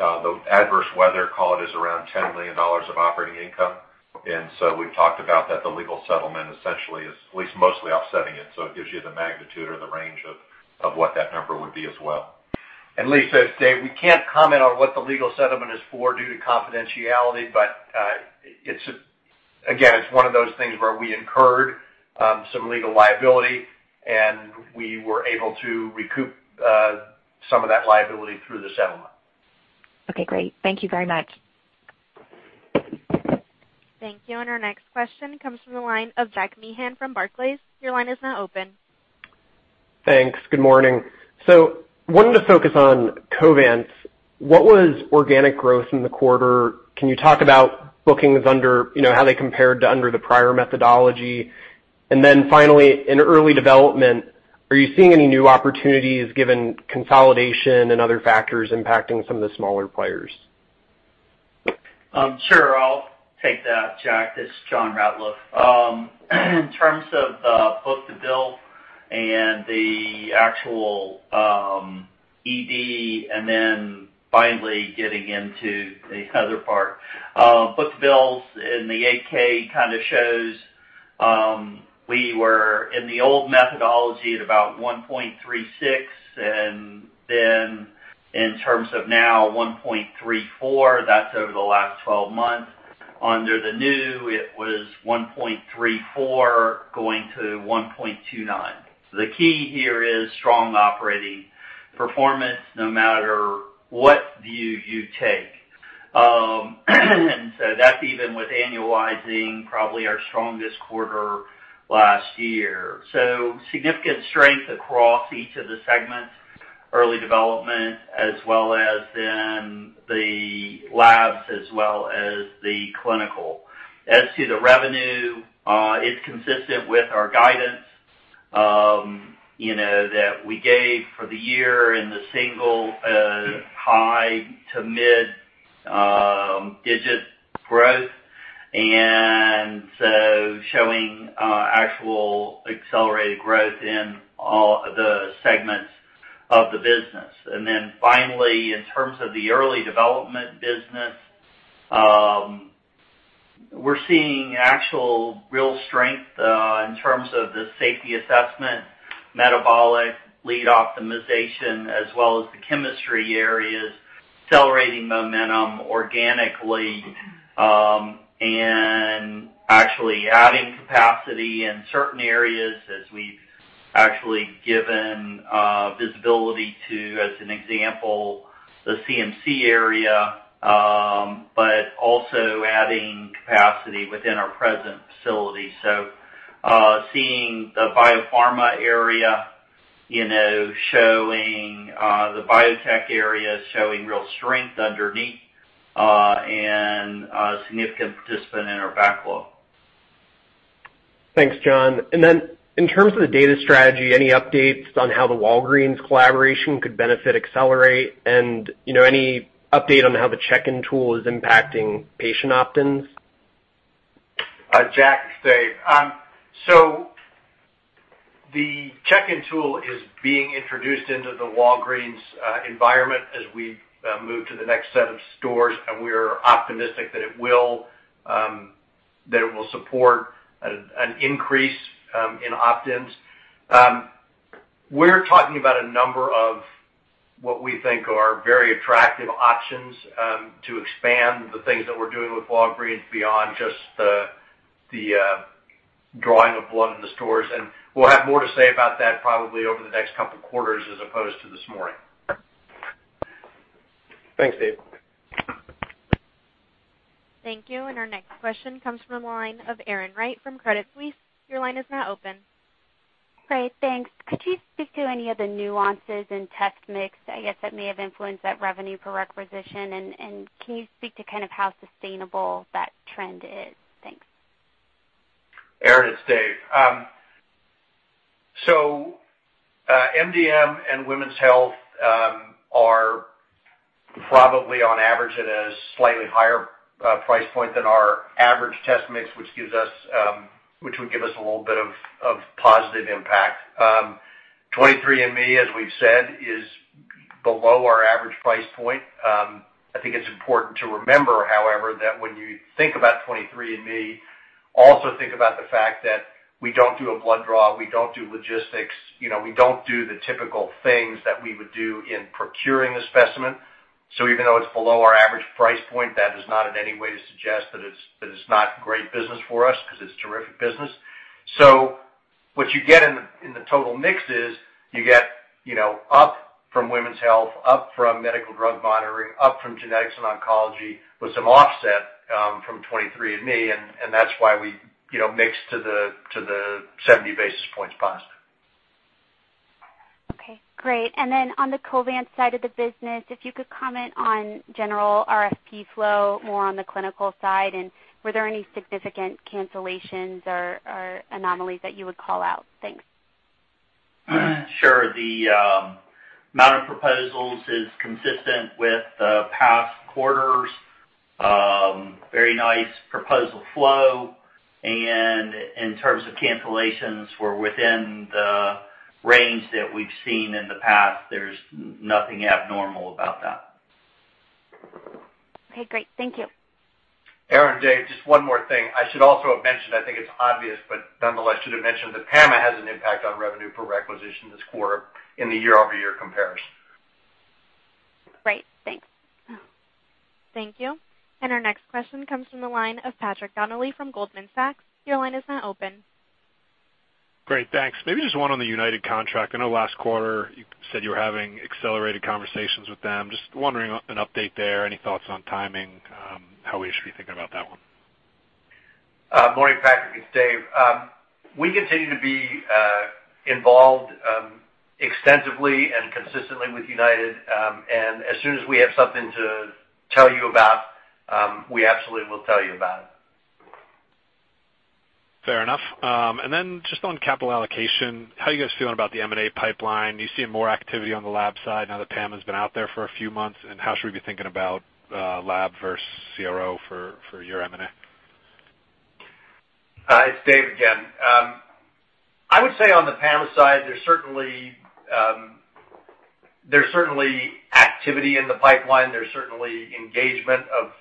The adverse weather call is around $10 million of operating income, and so we've talked about that the legal settlement essentially is at least mostly offsetting it. It gives you the magnitude or the range of what that number would be as well. Lisa, Dave, we can't comment on what the legal settlement is for due to confidentiality, but, again, it's one of those things where we incurred some legal liability, and we were able to recoup some of that liability through the settlement. Okay, great. Thank you very much. Thank you. Our next question comes from the line of Jack Meehan from Barclays. Your line is now open. Thanks. Good morning. Wanted to focus on Covance. What was organic growth in the quarter? Can you talk about bookings under, how they compared to under the prior methodology? Finally, in early development, are you seeing any new opportunities given consolidation and other factors impacting some of the smaller players? Sure. I'll take that, Jack. This is John Ratliff. In terms of book-to-bill and the actual ED, and then finally getting into the other part. Book-to-bill in the 8-K shows we were in the old methodology at about 1.36, and then in terms of now, 1.34. That's over the last 12 months. Under the new, it was 1.34 going to 1.29. The key here is strong operating performance, no matter what view you take. That's even with annualizing probably our strongest quarter last year. Significant strength across each of the segments, early development, as well as in the labs, as well as the clinical. As to the revenue, it's consistent with our guidance that we gave for the year in the single-high-to-mid-digit growth, showing actual accelerated growth in all the segments of the business. Finally, in terms of the early development business, we're seeing actual real strength in terms of the safety assessment, metabolic lead optimization, as well as the chemistry areas accelerating momentum organically, actually adding capacity in certain areas as we've actually given visibility to, as an example, the CMC area, but also adding capacity within our present facility. Seeing the biopharma area showing the biotech area showing real strength underneath, and a significant participant in our backlog. Thanks, John. In terms of the data strategy, any updates on how the Walgreens collaboration could benefit, accelerate and any update on how the check-in tool is impacting patient opt-ins? Jack, it's Dave. The check-in tool is being introduced into the Walgreens environment as we move to the next set of stores, and we are optimistic that it will support an increase in opt-ins. We're talking about a number of what we think are very attractive options to expand the things that we're doing with Walgreens beyond just the drawing of blood in the stores. We'll have more to say about that probably over the next couple of quarters as opposed to this morning. Thanks, Dave. Thank you. Our next question comes from the line of Erin Wright from Credit Suisse. Your line is now open. Great, thanks. Could you speak to any of the nuances in test mix, I guess, that may have influenced that revenue per requisition? Can you speak to kind of how sustainable that trend is? Thanks. Erin, it's Dave. MDM and women's health are probably, on average, at a slightly higher price point than our average test mix, which would give us a little bit of positive impact. 23andMe, as we've said, is below our average price point. I think it's important to remember, however, that when you think about 23andMe, also think about the fact that we don't do a blood draw, we don't do logistics, we don't do the typical things that we would do in procuring a specimen. Even though it's below our average price point, that does not in any way suggest that it's not great business for us, because it's terrific business. What you get in the total mix is you get up from women's health, up from medical drug monitoring, up from genetics and oncology, with some offset from 23andMe, that's why we mix to the 70 basis points positive. Okay, great. On the Covance side of the business, if you could comment on general RFP flow more on the clinical side, and were there any significant cancellations or anomalies that you would call out? Thanks. Sure. The amount of proposals is consistent with the past quarters. Very nice proposal flow. In terms of cancellations, we're within the range that we've seen in the past. There's nothing abnormal about that. Okay, great. Thank you. Erin, Dave, just one more thing. I should also have mentioned, I think it's obvious, but nonetheless, should have mentioned that PAMA has an impact on revenue per requisition this quarter in the year-over-year comparison. Right. Thanks. Thank you. Our next question comes from the line of Patrick Donnelly from Goldman Sachs. Your line is now open. Great, thanks. Maybe just one on the UnitedHealthcare contract. I know last quarter you said you were having accelerated conversations with them. Just wondering, an update there, any thoughts on timing, how we should be thinking about that one? Morning, Patrick, it's Dave. We continue to be involved extensively and consistently with UnitedHealthcare, and as soon as we have something to tell you about, we absolutely will tell you about it. Fair enough. Then just on capital allocation, how are you guys feeling about the M&A pipeline? Are you seeing more activity on the lab side now that PAMA's been out there for a few months, and how should we be thinking about lab versus CRO for your M&A? It's Dave again. I would say on the PAMA side, there's certainly activity in the pipeline. There's certainly engagement of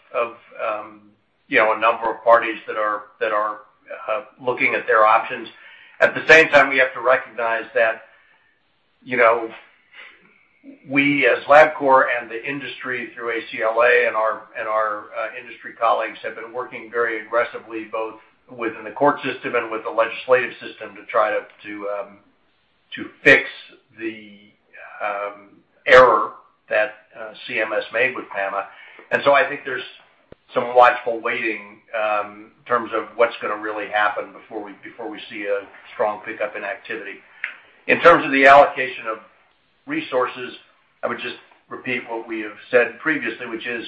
a number of parties that are looking at their options. At the same time, we have to recognize that, we as Labcorp and the industry through ACLA and our industry colleagues, have been working very aggressively, both within the court system and with the legislative system, to try to fix the error that CMS made with PAMA. So I think there's some watchful waiting in terms of what's going to really happen before we see a strong pickup in activity. In terms of the allocation of resources, I would just repeat what we have said previously, which is,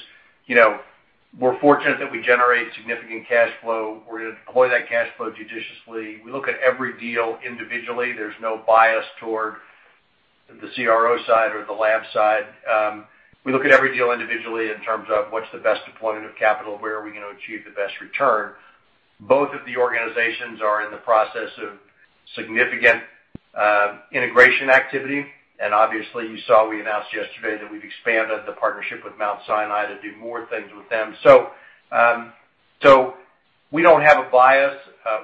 we're fortunate that we generate significant cash flow. We're going to deploy that cash flow judiciously. We look at every deal individually. There's no bias toward the CRO side or the lab side. We look at every deal individually in terms of what's the best deployment of capital, where are we going to achieve the best return. Both of the organizations are in the process of significant integration activity. Obviously, you saw we announced yesterday that we've expanded the partnership with Mount Sinai to do more things with them. We don't have a bias.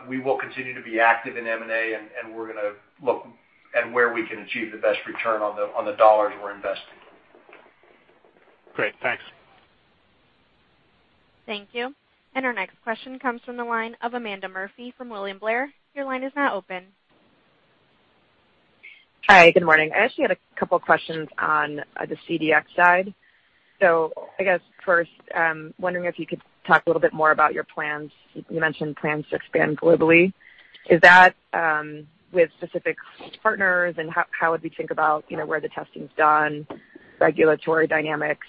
We will continue to be active in M&A, and we're going to look at where we can achieve the best return on the dollars we're investing. Great, thanks. Thank you. Our next question comes from the line of Amanda Murphy from William Blair. Your line is now open. Hi, good morning. I actually had a couple questions on the CDx side. I guess first, wondering if you could talk a little bit more about your plans. You mentioned plans to expand globally. Is that with specific partners, and how would we think about where the testing's done, regulatory dynamics?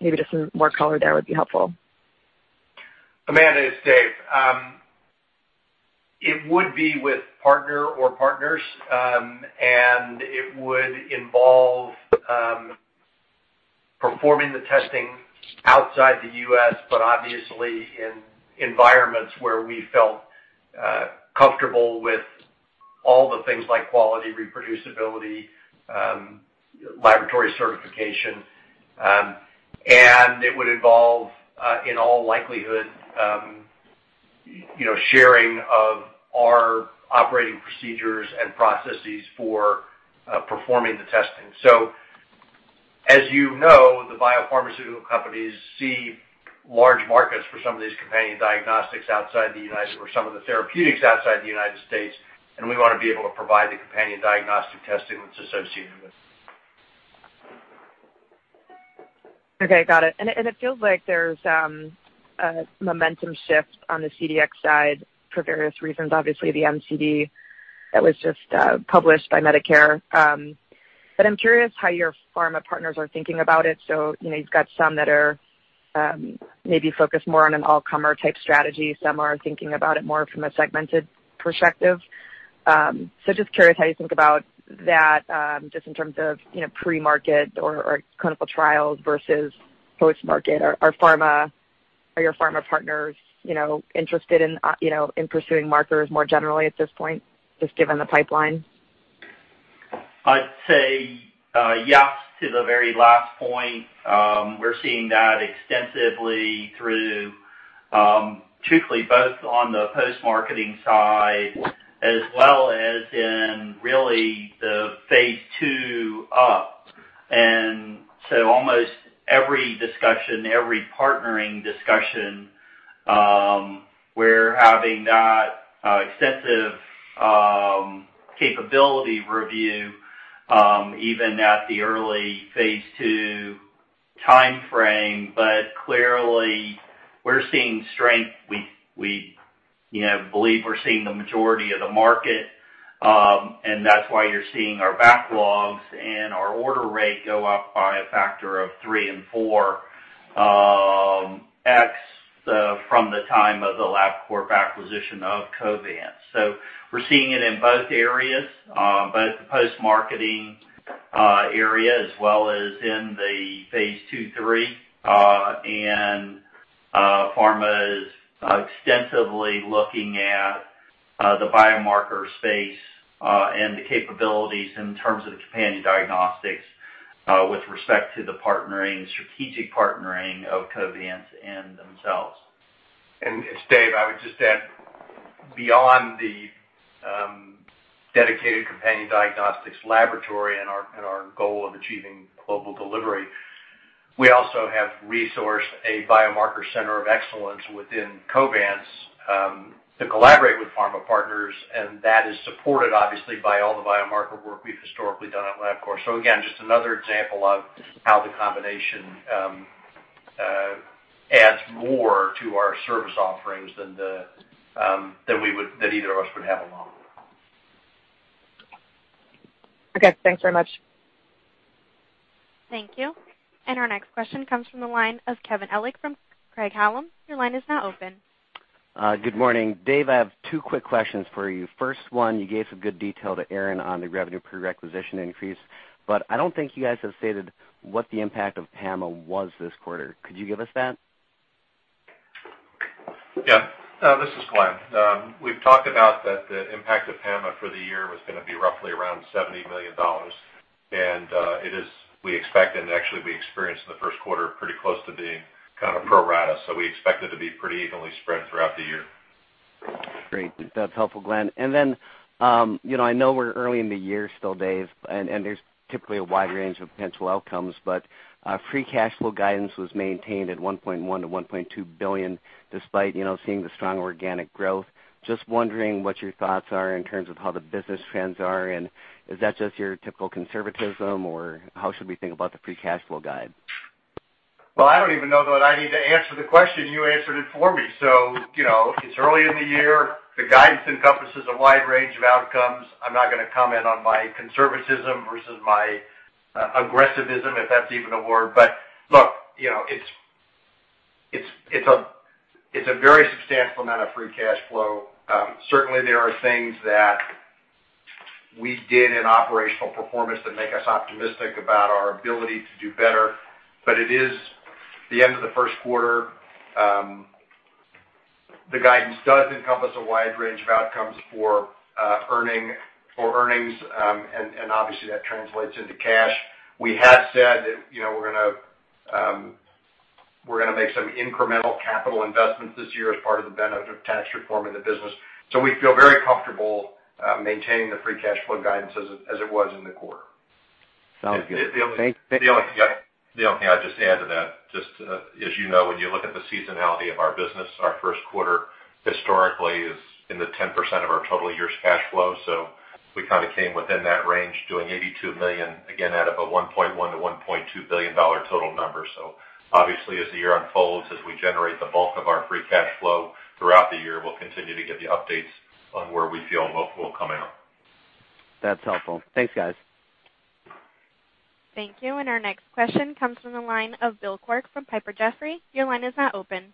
Maybe just some more color there would be helpful. Amanda, it's Dave. It would be with partner or partners, and it would involve performing the testing outside the U.S., but obviously in environments where we felt comfortable with All the things like quality, reproducibility, laboratory certification. It would involve, in all likelihood, sharing of our operating procedures and processes for performing the testing. As you know, the biopharmaceutical companies see large markets for some of these companion diagnostics or some of the therapeutics outside the United States, and we want to be able to provide the companion diagnostic testing that's associated with it. Okay, got it. It feels like there's a momentum shift on the CDx side for various reasons. Obviously, the NCD that was just published by Medicare. I'm curious how your pharma partners are thinking about it. You've got some that are maybe focused more on an all-comer type strategy. Some are thinking about it more from a segmented perspective. Just curious how you think about that, just in terms of pre-market or clinical trials versus post-market. Are your pharma partners interested in pursuing markers more generally at this point, just given the pipeline? I'd say yes to the very last point. We're seeing that extensively through, chiefly both on the post-marketing side as well as in really the Phase II up. Almost every discussion, every partnering discussion, we're having that extensive capability review, even at the early Phase II timeframe. Clearly, we're seeing strength. We believe we're seeing the majority of the market, and that's why you're seeing our backlogs and our order rate go up by a factor of 3 and 4x from the time of the Labcorp acquisition of Covance. We're seeing it in both areas, both the post-marketing area as well as in the Phase II, III. Pharma is extensively looking at the biomarker space, and the capabilities in terms of the companion diagnostics, with respect to the strategic partnering of Covance and themselves. It's Dave, I would just add, beyond the dedicated companion diagnostics laboratory and our goal of achieving global delivery, we also have resourced a biomarker center of excellence within Covance, to collaborate with pharma partners, and that is supported obviously by all the biomarker work we've historically done at Labcorp. Again, just another example of how the combination adds more to our service offerings than either of us would have alone. Okay, thanks very much. Thank you. Our next question comes from the line of Kevin Ellich from Craig-Hallum. Your line is now open. Good morning. Dave, I have two quick questions for you. First one, you gave some good detail to Erin on the revenue per requisition increase. I don't think you guys have stated what the impact of PAMA was this quarter. Could you give us that? This is Glenn. We've talked about that the impact of PAMA for the year was gonna be roughly around $70 million. It is, we expect, and actually we experienced in the first quarter, pretty close to being pro rata. We expect it to be pretty evenly spread throughout the year. Great. That's helpful, Glenn. Then, I know we're early in the year still, Dave, and there's typically a wide range of potential outcomes. Free cash flow guidance was maintained at $1.1 billion-$1.2 billion, despite seeing the strong organic growth. Just wondering what your thoughts are in terms of how the business trends are, and is that just your typical conservatism, or how should we think about the free cash flow guide? I don't even know that I need to answer the question. You answered it for me. It's early in the year. The guidance encompasses a wide range of outcomes. I'm not gonna comment on my conservatism versus my aggressivism, if that's even a word. Look, it's a very substantial amount of free cash flow. Certainly, there are things that we did in operational performance that make us optimistic about our ability to do better. It is the end of the first quarter. The guidance does encompass a wide range of outcomes for earnings, and obviously that translates into cash. We have said that we're gonna make some incremental capital investments this year as part of the benefit of tax reform in the business. We feel very comfortable maintaining the free cash flow guidance as it was in the quarter. Sounds good. The only thing I'd just add to that, just as you know when you look at the seasonality of our business, our first quarter historically is in the 10% of our total year's cash flow. We came within that range, doing $82 million, again out of a $1.1 billion-$1.2 billion total number. Obviously, as the year unfolds, as we generate the bulk of our free cash flow throughout the year, we'll continue to give you updates on where we feel most will come out. That's helpful. Thanks, guys. Thank you. Our next question comes from the line of Bill Quirk from Piper Jaffray. Your line is now open.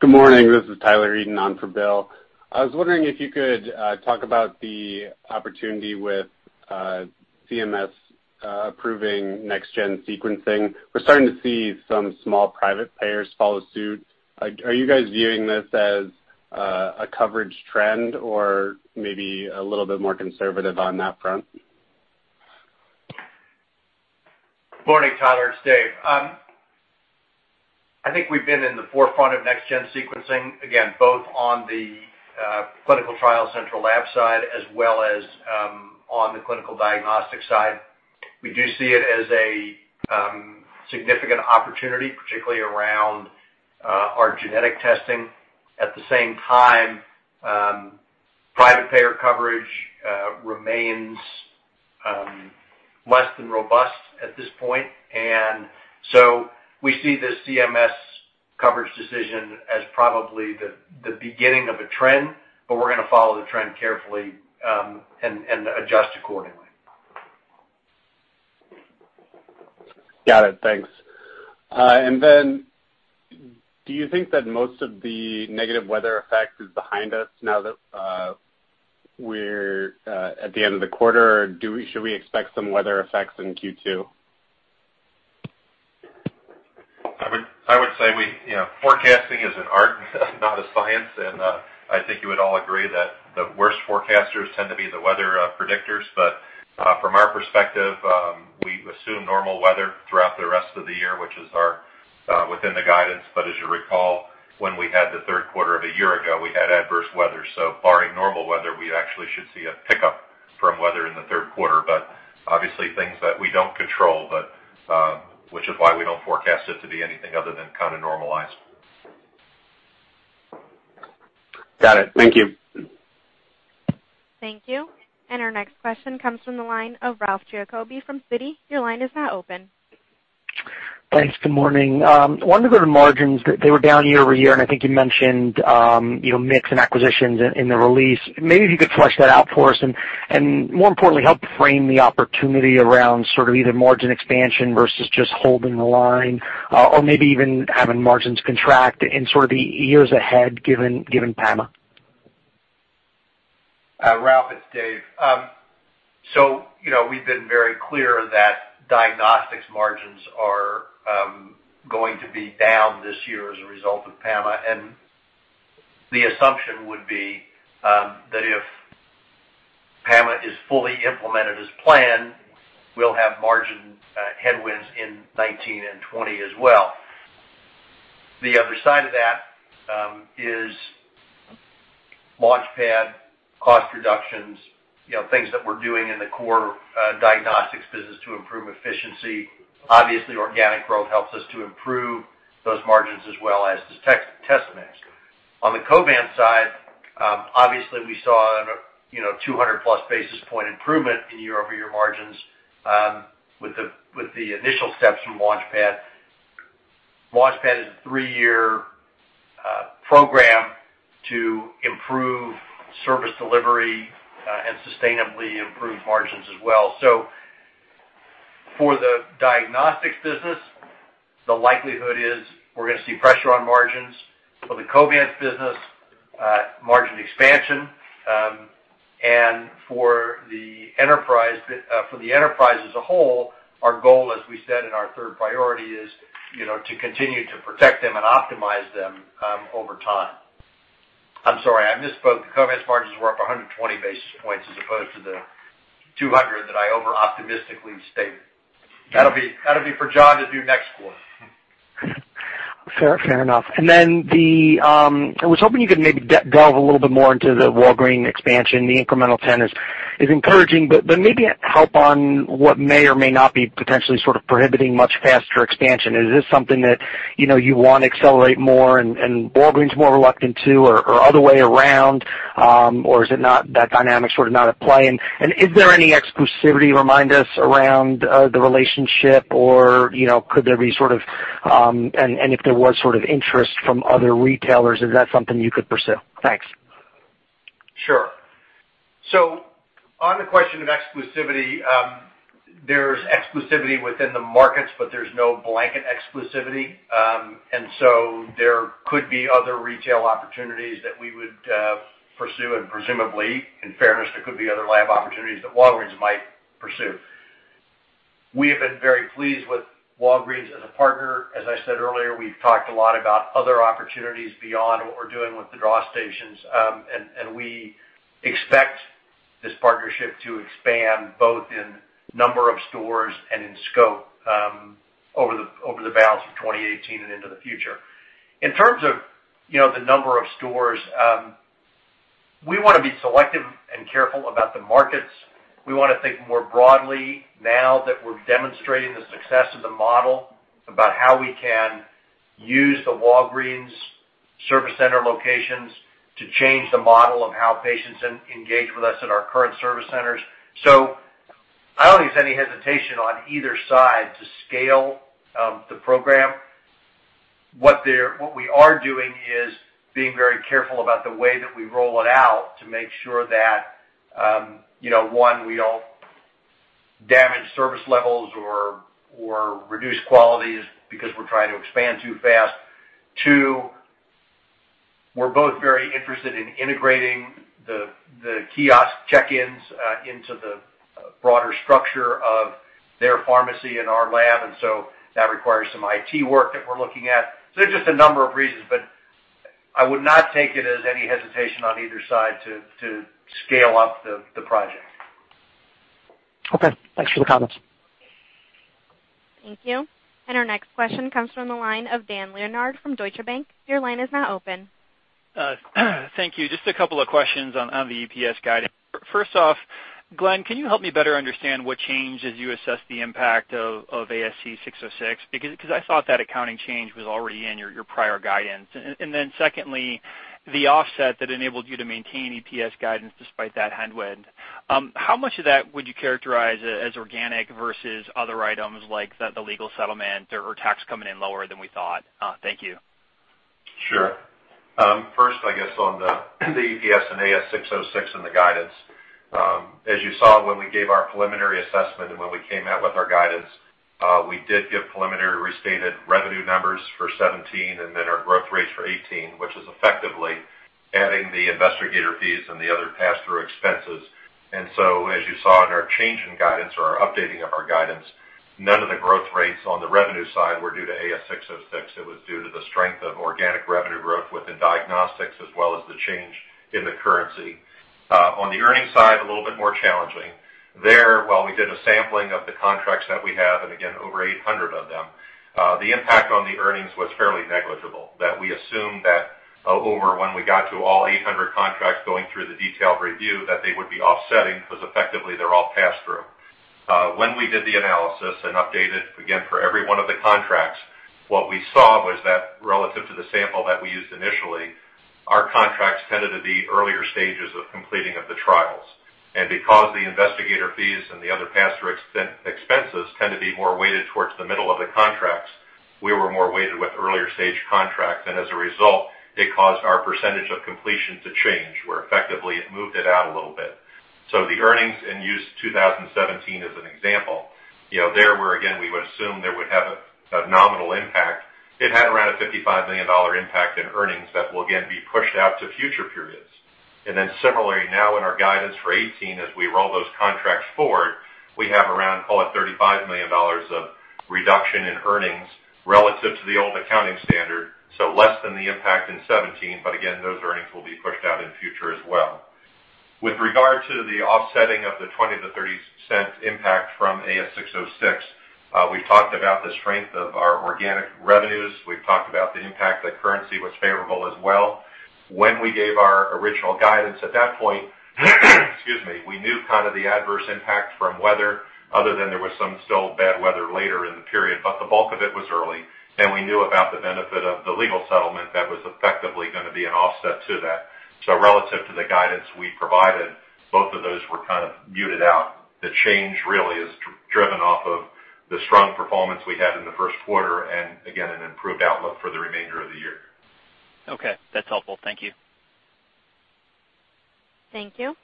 Good morning. This is Tyler Etten on for Bill. I was wondering if you could talk about the opportunity with CMS approving next-gen sequencing. We're starting to see some small private payers follow suit. Are you guys viewing this as a coverage trend, or maybe a little bit more conservative on that front? Morning, Tyler. It's Dave. I think we've been in the forefront of next-gen sequencing, again, both on the clinical trial central lab side as well as on the clinical diagnostic side. We do see it as a significant opportunity, particularly around our genetic testing. At the same time, private payer coverage remains less than robust at this point. We see the CMS coverage decision as probably the beginning of a trend, but we're going to follow the trend carefully and adjust accordingly. Got it. Thanks. Do you think that most of the negative weather effect is behind us now that we're at the end of the quarter? Should we expect some weather effects in Q2? I would say forecasting is an art, not a science, I think you would all agree that the worst forecasters tend to be the weather predictors. From our perspective, we assume normal weather throughout the rest of the year, which is within the guidance. As you recall, when we had the third quarter of a year ago, we had adverse weather. Barring normal weather, we actually should see a pickup from weather in the third quarter. Obviously things that we don't control, which is why we don't forecast it to be anything other than kind of normalized. Got it. Thank you. Thank you. Our next question comes from the line of Ralph Giacobbe from Citi. Your line is now open. Thanks. Good morning. I wanted to go to margins. They were down year-over-year, I think you mentioned mix and acquisitions in the release. Maybe if you could flesh that out for us, more importantly, help frame the opportunity around sort of either margin expansion versus just holding the line or maybe even having margins contract in sort of the years ahead, given PAMA. Ralph, it's Dave. We've been very clear that diagnostics margins are going to be down this year as a result of PAMA, and the assumption would be that if PAMA is fully implemented as planned, we'll have margin headwinds in 2019 and 2020 as well. The other side of that is LaunchPad cost reductions, things that we're doing in the core diagnostics business to improve efficiency. Obviously, organic growth helps us to improve those margins as well as does test mix. On the Covance side, obviously we saw a 200-plus basis point improvement in year-over-year margins with the initial steps from LaunchPad. LaunchPad is a three-year program to improve service delivery and sustainably improve margins as well. For the diagnostics business, the likelihood is we're going to see pressure on margins. For the Covance business, margin expansion. For the enterprise as a whole, our goal, as we said in our third priority, is to continue to protect them and optimize them over time. I'm sorry, I misspoke. The Covance margins were up 120 basis points as opposed to the 200 that I over-optimistically stated. That'll be for John to do next quarter. Fair enough. I was hoping you could maybe delve a little bit more into the Walgreens expansion. The incremental 10 is encouraging, but maybe help on what may or may not be potentially sort of prohibiting much faster expansion. Is this something that you want to accelerate more and Walgreens is more reluctant to, or other way around? Is that dynamic sort of not at play? Is there any exclusivity, remind us, around the relationship, and if there was sort of interest from other retailers, is that something you could pursue? Thanks. Sure. On the question of exclusivity, there's exclusivity within the markets, but there's no blanket exclusivity. There could be other retail opportunities that we would pursue, and presumably, in fairness, there could be other lab opportunities that Walgreens might pursue. We have been very pleased with Walgreens as a partner. As I said earlier, we've talked a lot about other opportunities beyond what we're doing with the draw stations, and we expect this partnership to expand both in number of stores and in scope over the balance of 2018 and into the future. In terms of the number of stores, we want to be selective and careful about the markets. We want to think more broadly now that we're demonstrating the success of the model about how we can use the Walgreens service center locations to change the model of how patients engage with us at our current service centers. I don't use any hesitation on either side to scale the program. What we are doing is being very careful about the way that we roll it out to make sure that, one, we don't damage service levels or reduce qualities because we're trying to expand too fast. We're both very interested in integrating the kiosk check-ins into the broader structure of their pharmacy and our lab, that requires some IT work that we're looking at. There are just a number of reasons, but I would not take it as any hesitation on either side to scale up the project. Okay, thanks for the comments. Thank you. Our next question comes from the line of Dan Leonard from Deutsche Bank. Your line is now open. Thank you. Just a couple of questions on the EPS guidance. First off, Glenn, can you help me better understand what changed as you assessed the impact of ASC 606? I thought that accounting change was already in your prior guidance. Secondly, the offset that enabled you to maintain EPS guidance despite that headwind, how much of that would you characterize as organic versus other items like the legal settlement or tax coming in lower than we thought? Thank you. Sure. First, I guess, on the EPS and ASC 606 and the guidance. As you saw when we gave our preliminary assessment and when we came out with our guidance, we did give preliminary restated revenue numbers for 2017 and then our growth rates for 2018, which is effectively adding the investigator fees and the other pass-through expenses. As you saw in our change in guidance or our updating of our guidance, none of the growth rates on the revenue side were due to ASC 606. It was due to the strength of organic revenue growth within diagnostics as well as the change in the currency. On the earnings side, a little bit more challenging. There, while we did a sampling of the contracts that we have, and again, over 800 of them, the impact on the earnings was fairly negligible. That we assumed that over when we got to all 800 contracts going through the detailed review, that they would be offsetting because effectively they're all pass-through. When we did the analysis and updated, again, for every one of the contracts, what we saw was that relative to the sample that we used initially, our contracts tended to be earlier stages of completing of the trials. Because the investigator fees and the other pass-through expenses tend to be more weighted towards the middle of the contracts, we were more weighted with earlier stage contracts. As a result, it caused our percentage of completion to change, where effectively it moved it out a little bit. The earnings, and use 2017 as an example, there where again, we would assume there would have a nominal impact. It had around a $55 million impact in earnings that will again be pushed out to future periods. Similarly, now in our guidance for 2018, as we roll those contracts forward, we have around, call it $35 million of reduction in earnings relative to the old accounting standard, so less than the impact in 2017. Again, those earnings will be pushed out in future as well. With regard to the offsetting of the $0.20-$0.30 impact from ASC 606, we've talked about the strength of our organic revenues. We've talked about the impact that currency was favorable as well. When we gave our original guidance, at that point, excuse me, we knew kind of the adverse impact from weather other than there was some still bad weather later in the period, but the bulk of it was early, and we knew about the benefit of the legal settlement that was effectively going to be an offset to that. Relative to the guidance we provided, both of those were kind of muted out. The change really is driven off of the strong performance we had in the first quarter and again, an improved outlook for the remainder of the year. Okay, that's helpful. Thank you. Thank you.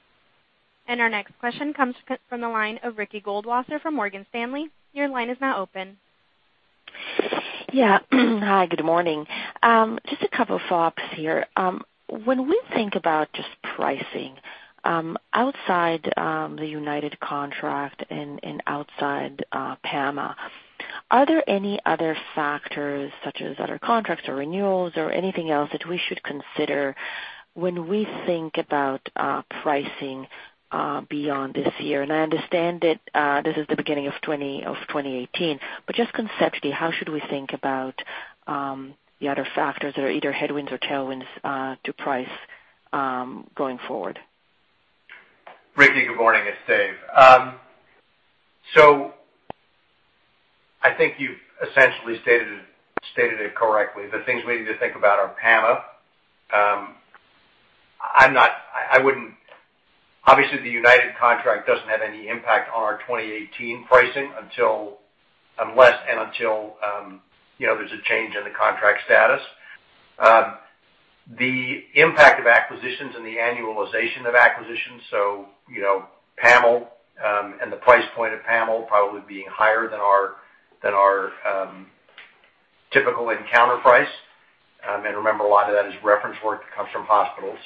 Our next question comes from the line of Ricky Goldwasser from Morgan Stanley. Your line is now open. Yeah. Hi, good morning. Just a couple follow-ups here. When we think about just pricing outside the UnitedHealthcare contract and outside PAMA, are there any other factors such as other contracts or renewals or anything else that we should consider when we think about pricing beyond this year? I understand that this is the beginning of 2018, but just conceptually, how should we think about the other factors that are either headwinds or tailwinds to price going forward? Ricky, good morning. It's Dave. I think you've essentially stated it correctly. The things we need to think about are PAMA. Obviously, the UnitedHealthcare contract doesn't have any impact on our 2018 pricing unless and until there's a change in the contract status. The impact of acquisitions and the annualization of acquisitions, PAML and the price point of PAML probably being higher than our typical encounter price. Remember, a lot of that is reference work that comes from hospitals.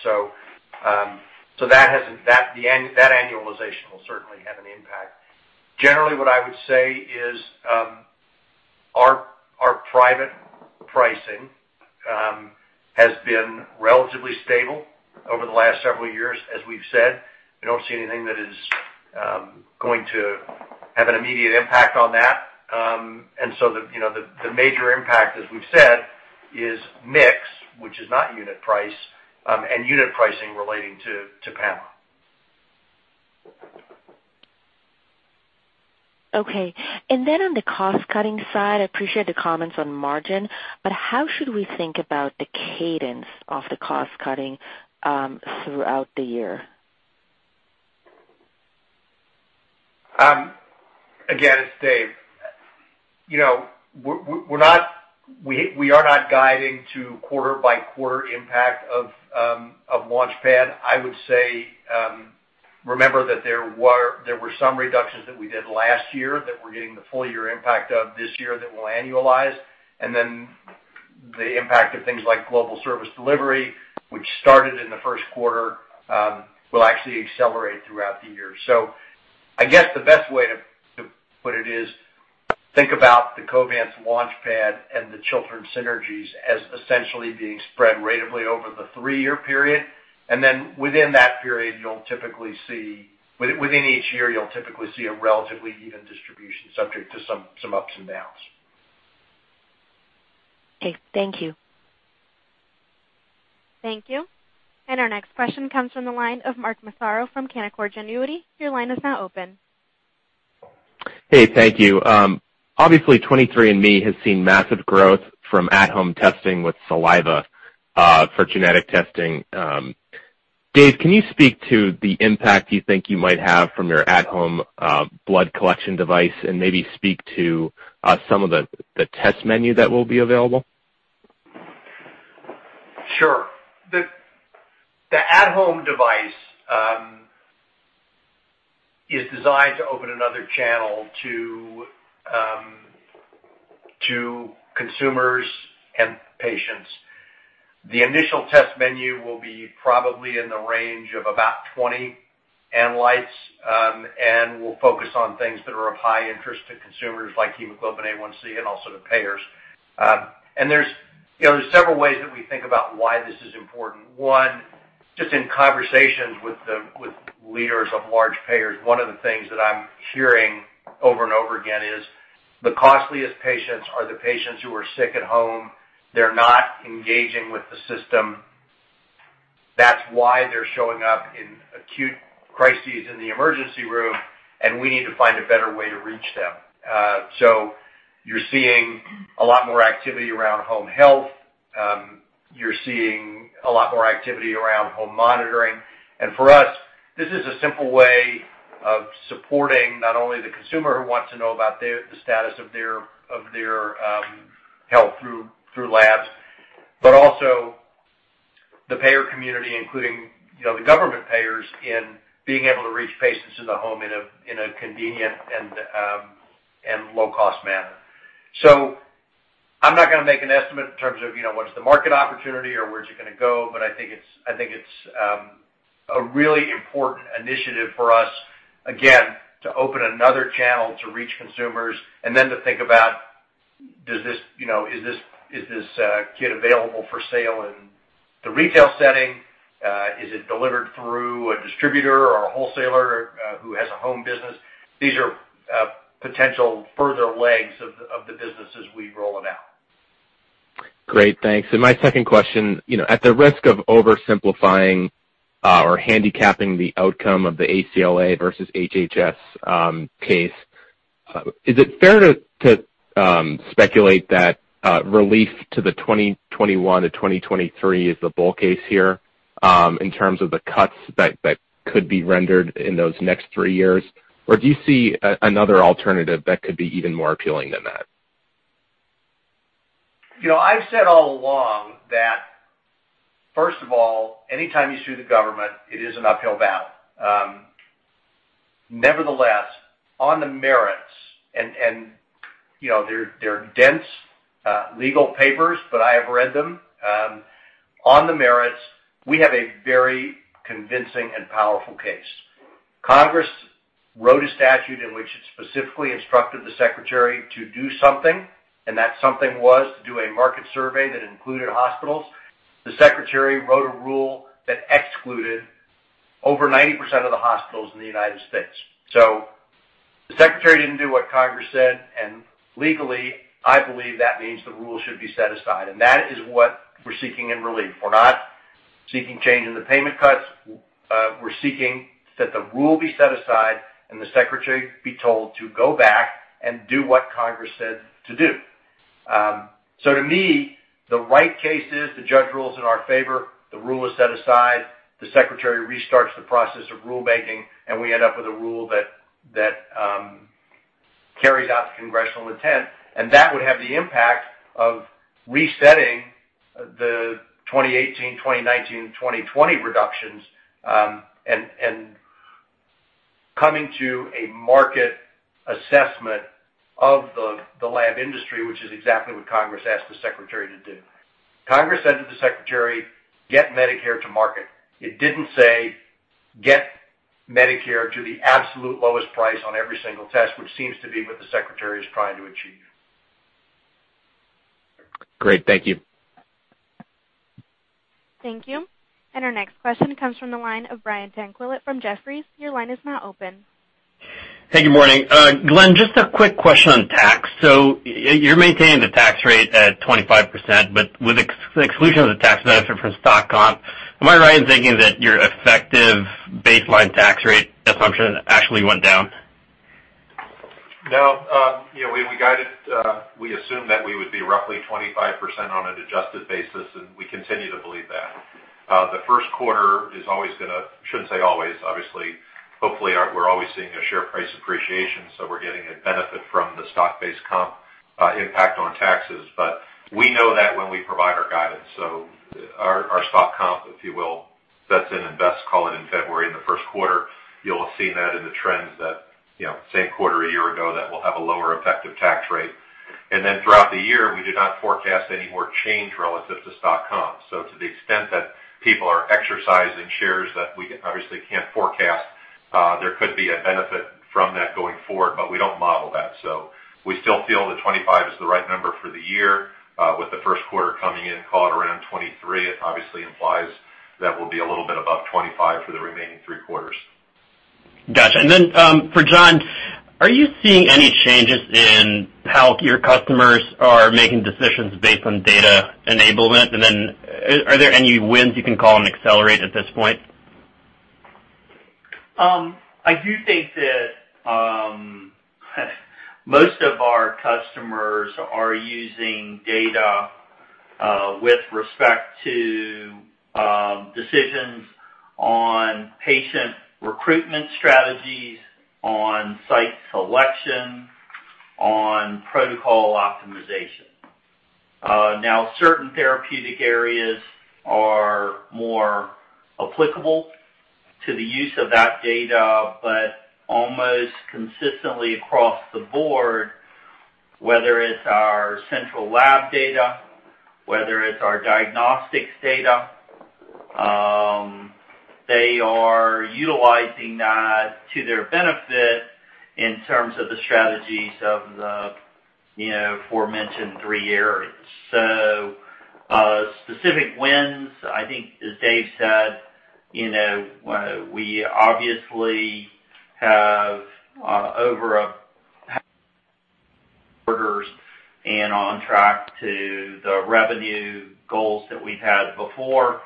That annualization will certainly have an impact. Generally, what I would say is our private pricing has been relatively stable over the last several years, as we've said. We don't see anything that is going to have an immediate impact on that. The major impact, as we've said, is mix, which is not unit price, and unit pricing relating to PAMA. Okay. On the cost-cutting side, I appreciate the comments on margin, how should we think about the cadence of the cost cutting throughout the year? Again, it's Dave. We are not guiding to quarter-by-quarter impact of LaunchPad. I would say Remember that there were some reductions that we did last year that we're getting the full year impact of this year that will annualize. The impact of things like global service delivery, which started in the first quarter, will actually accelerate throughout the year. I guess the best way to put it is, think about the Covance LaunchPad and the Chiltern synergies as essentially being spread ratably over the three-year period. Within each year, you'll typically see a relatively even distribution, subject to some ups and downs. Okay, thank you. Thank you. Our next question comes from the line of Mark Massaro from Canaccord Genuity. Your line is now open. Hey, thank you. Obviously, 23andMe has seen massive growth from at-home testing with saliva, for genetic testing. Dave, can you speak to the impact you think you might have from your at-home blood collection device, and maybe speak to some of the test menu that will be available? Sure. The at-home device, is designed to open another channel to consumers and patients. The initial test menu will be probably in the range of about 20 analytes, and will focus on things that are of high interest to consumers like hemoglobin A1C and also to payers. There's several ways that we think about why this is important. One, just in conversations with leaders of large payers, one of the things that I'm hearing over and over again is the costliest patients are the patients who are sick at home. They're not engaging with the system. That's why they're showing up in acute crises in the emergency room, and we need to find a better way to reach them. You're seeing a lot more activity around home health. You're seeing a lot more activity around home monitoring. This is a simple way of supporting not only the consumer who wants to know about the status of their health through labs, but also the payer community, including the government payers in being able to reach patients in the home in a convenient and low-cost manner. I'm not going to make an estimate in terms of what is the market opportunity or where's it going to go, but I think it's a really important initiative for us, again, to open another channel to reach consumers and then to think about, is this kit available for sale in the retail setting? Is it delivered through a distributor or a wholesaler who has a home business? These are potential further legs of the business as we roll it out. Great, thanks. My second question. At the risk of oversimplifying, or handicapping the outcome of the ACLA versus HHS case, is it fair to speculate that relief to the 2021-2023 is the bull case here, in terms of the cuts that could be rendered in those next three years? Or do you see another alternative that could be even more appealing than that? I've said all along that, first of all, anytime you sue the government, it is an uphill battle. Nevertheless, on the merits, and they're dense legal papers, but I have read them. On the merits, we have a very convincing and powerful case. Congress wrote a statute in which it specifically instructed the secretary to do something, and that something was to do a market survey that included hospitals. The secretary wrote a rule that excluded over 90% of the hospitals in the U.S. The secretary didn't do what Congress said, and legally, I believe that means the rule should be set aside, and that is what we're seeking in relief. We're not seeking change in the payment cuts. We're seeking that the rule be set aside and the secretary be told to go back and do what Congress said to do. To me, the right case is the judge rules in our favor, the rule is set aside, the secretary restarts the process of rulemaking, and we end up with a rule that carries out the Congressional intent. That would have the impact of resetting the 2018, 2019, 2020 reductions, and coming to a market assessment of the lab industry, which is exactly what Congress asked the secretary to do. Congress said to the secretary, "Get Medicare to market." It didn't say, "Get Medicare to the absolute lowest price on every single test," which seems to be what the secretary is trying to achieve. Great. Thank you. Thank you. Our next question comes from the line of Brian Tanquilut from Jefferies. Your line is now open. Hey, good morning. Glenn, just a quick question on tax. You're maintaining the tax rate at 25%, but with the exclusion of the tax benefit from stock comp, am I right in thinking that your effective baseline tax rate assumption actually went down? No. We assumed that we would be roughly 25% on an adjusted basis, we continue to believe that. The first quarter is always going to I shouldn't say always, obviously. Hopefully, we're always seeing a share price appreciation, so we're getting a benefit from the stock-based comp We know that when we provide our guidance. Our stock comp, if you will, sets in and vests, call it in February, in the first quarter. You'll have seen that in the trends that same quarter a year ago, that we'll have a lower effective tax rate. Throughout the year, we do not forecast any more change relative to stock comp. To the extent that people are exercising shares that we obviously can't forecast, there could be a benefit from that going forward, but we don't model that. We still feel that 25 is the right number for the year, with the first quarter coming in called around 23. It obviously implies that we'll be a little bit above 25 for the remaining three quarters. Got you. For John, are you seeing any changes in how your customers are making decisions based on data enablement? Are there any wins you can call and Xcellerate at this point? I do think that most of our customers are using data with respect to decisions on patient recruitment strategies, on site selection, on protocol optimization. Certain therapeutic areas are more applicable to the use of that data, but almost consistently across the board, whether it's our central lab data, whether it's our diagnostics data, they are utilizing that to their benefit in terms of the strategies of the aforementioned three areas. Specific wins, I think as Dave said, we obviously have over and on track to the revenue goals that we've had before.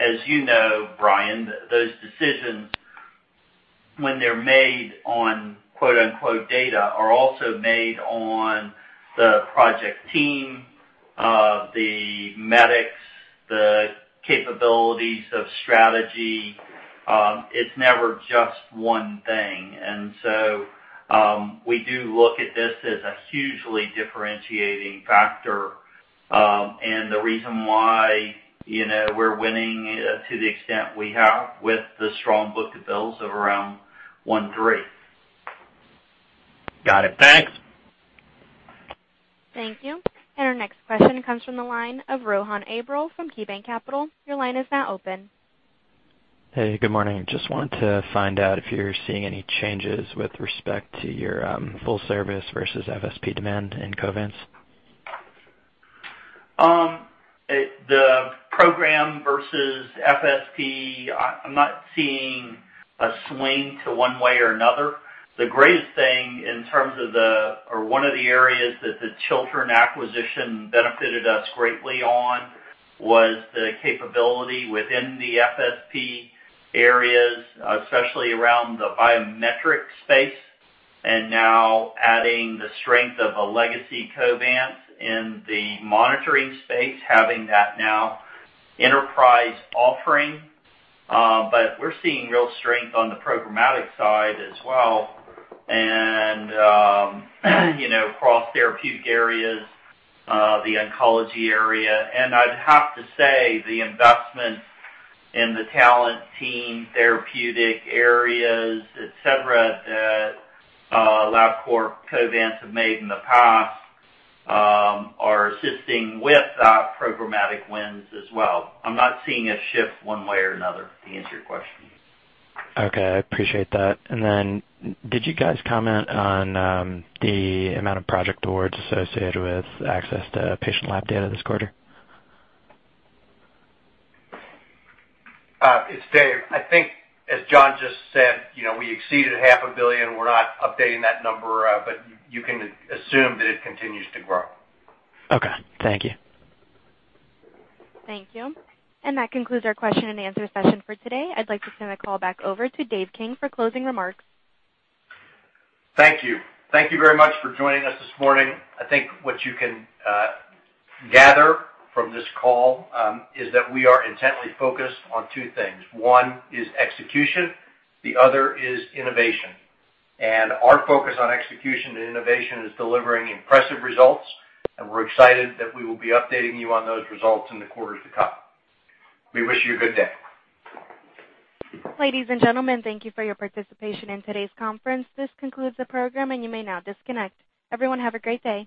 As you know, Brian, those decisions, when they're made on "data," are also made on the project team, the medics, the capabilities of strategy. It's never just one thing. We do look at this as a hugely differentiating factor. The reason why we're winning to the extent we have with the strong book-to-bill of around 1.3. Got it. Thanks. Thank you. Our next question comes from the line of Rohan Abrol from KeyBanc Capital. Your line is now open. Hey, good morning. Just wanted to find out if you're seeing any changes with respect to your full service versus FSP demand in Covance. The program versus FSP, I'm not seeing a swing to one way or another. The greatest thing in terms of one of the areas that the Chiltern acquisition benefited us greatly on was the capability within the FSP areas, especially around the biometric space, and now adding the strength of a legacy Covance in the monitoring space, having that now enterprise offering. We're seeing real strength on the programmatic side as well and across therapeutic areas, the oncology area. I'd have to say the investment in the talent team, therapeutic areas, et cetera, that Labcorp-Covance have made in the past are assisting with programmatic wins as well. I'm not seeing a shift one way or another, to answer your question. Okay, I appreciate that. Did you guys comment on the amount of project awards associated with access to patient lab data this quarter? It's Dave. I think as John just said, we exceeded half a billion. We're not updating that number, but you can assume that it continues to grow. Okay. Thank you. Thank you. That concludes our question and answer session for today. I'd like to turn the call back over to Dave King for closing remarks. Thank you. Thank you very much for joining us this morning. I think what you can gather from this call is that we are intently focused on two things. One is execution, the other is innovation. Our focus on execution and innovation is delivering impressive results, and we're excited that we will be updating you on those results in the quarters to come. We wish you a good day. Ladies and gentlemen, thank you for your participation in today's conference. This concludes the program, and you may now disconnect. Everyone, have a great day.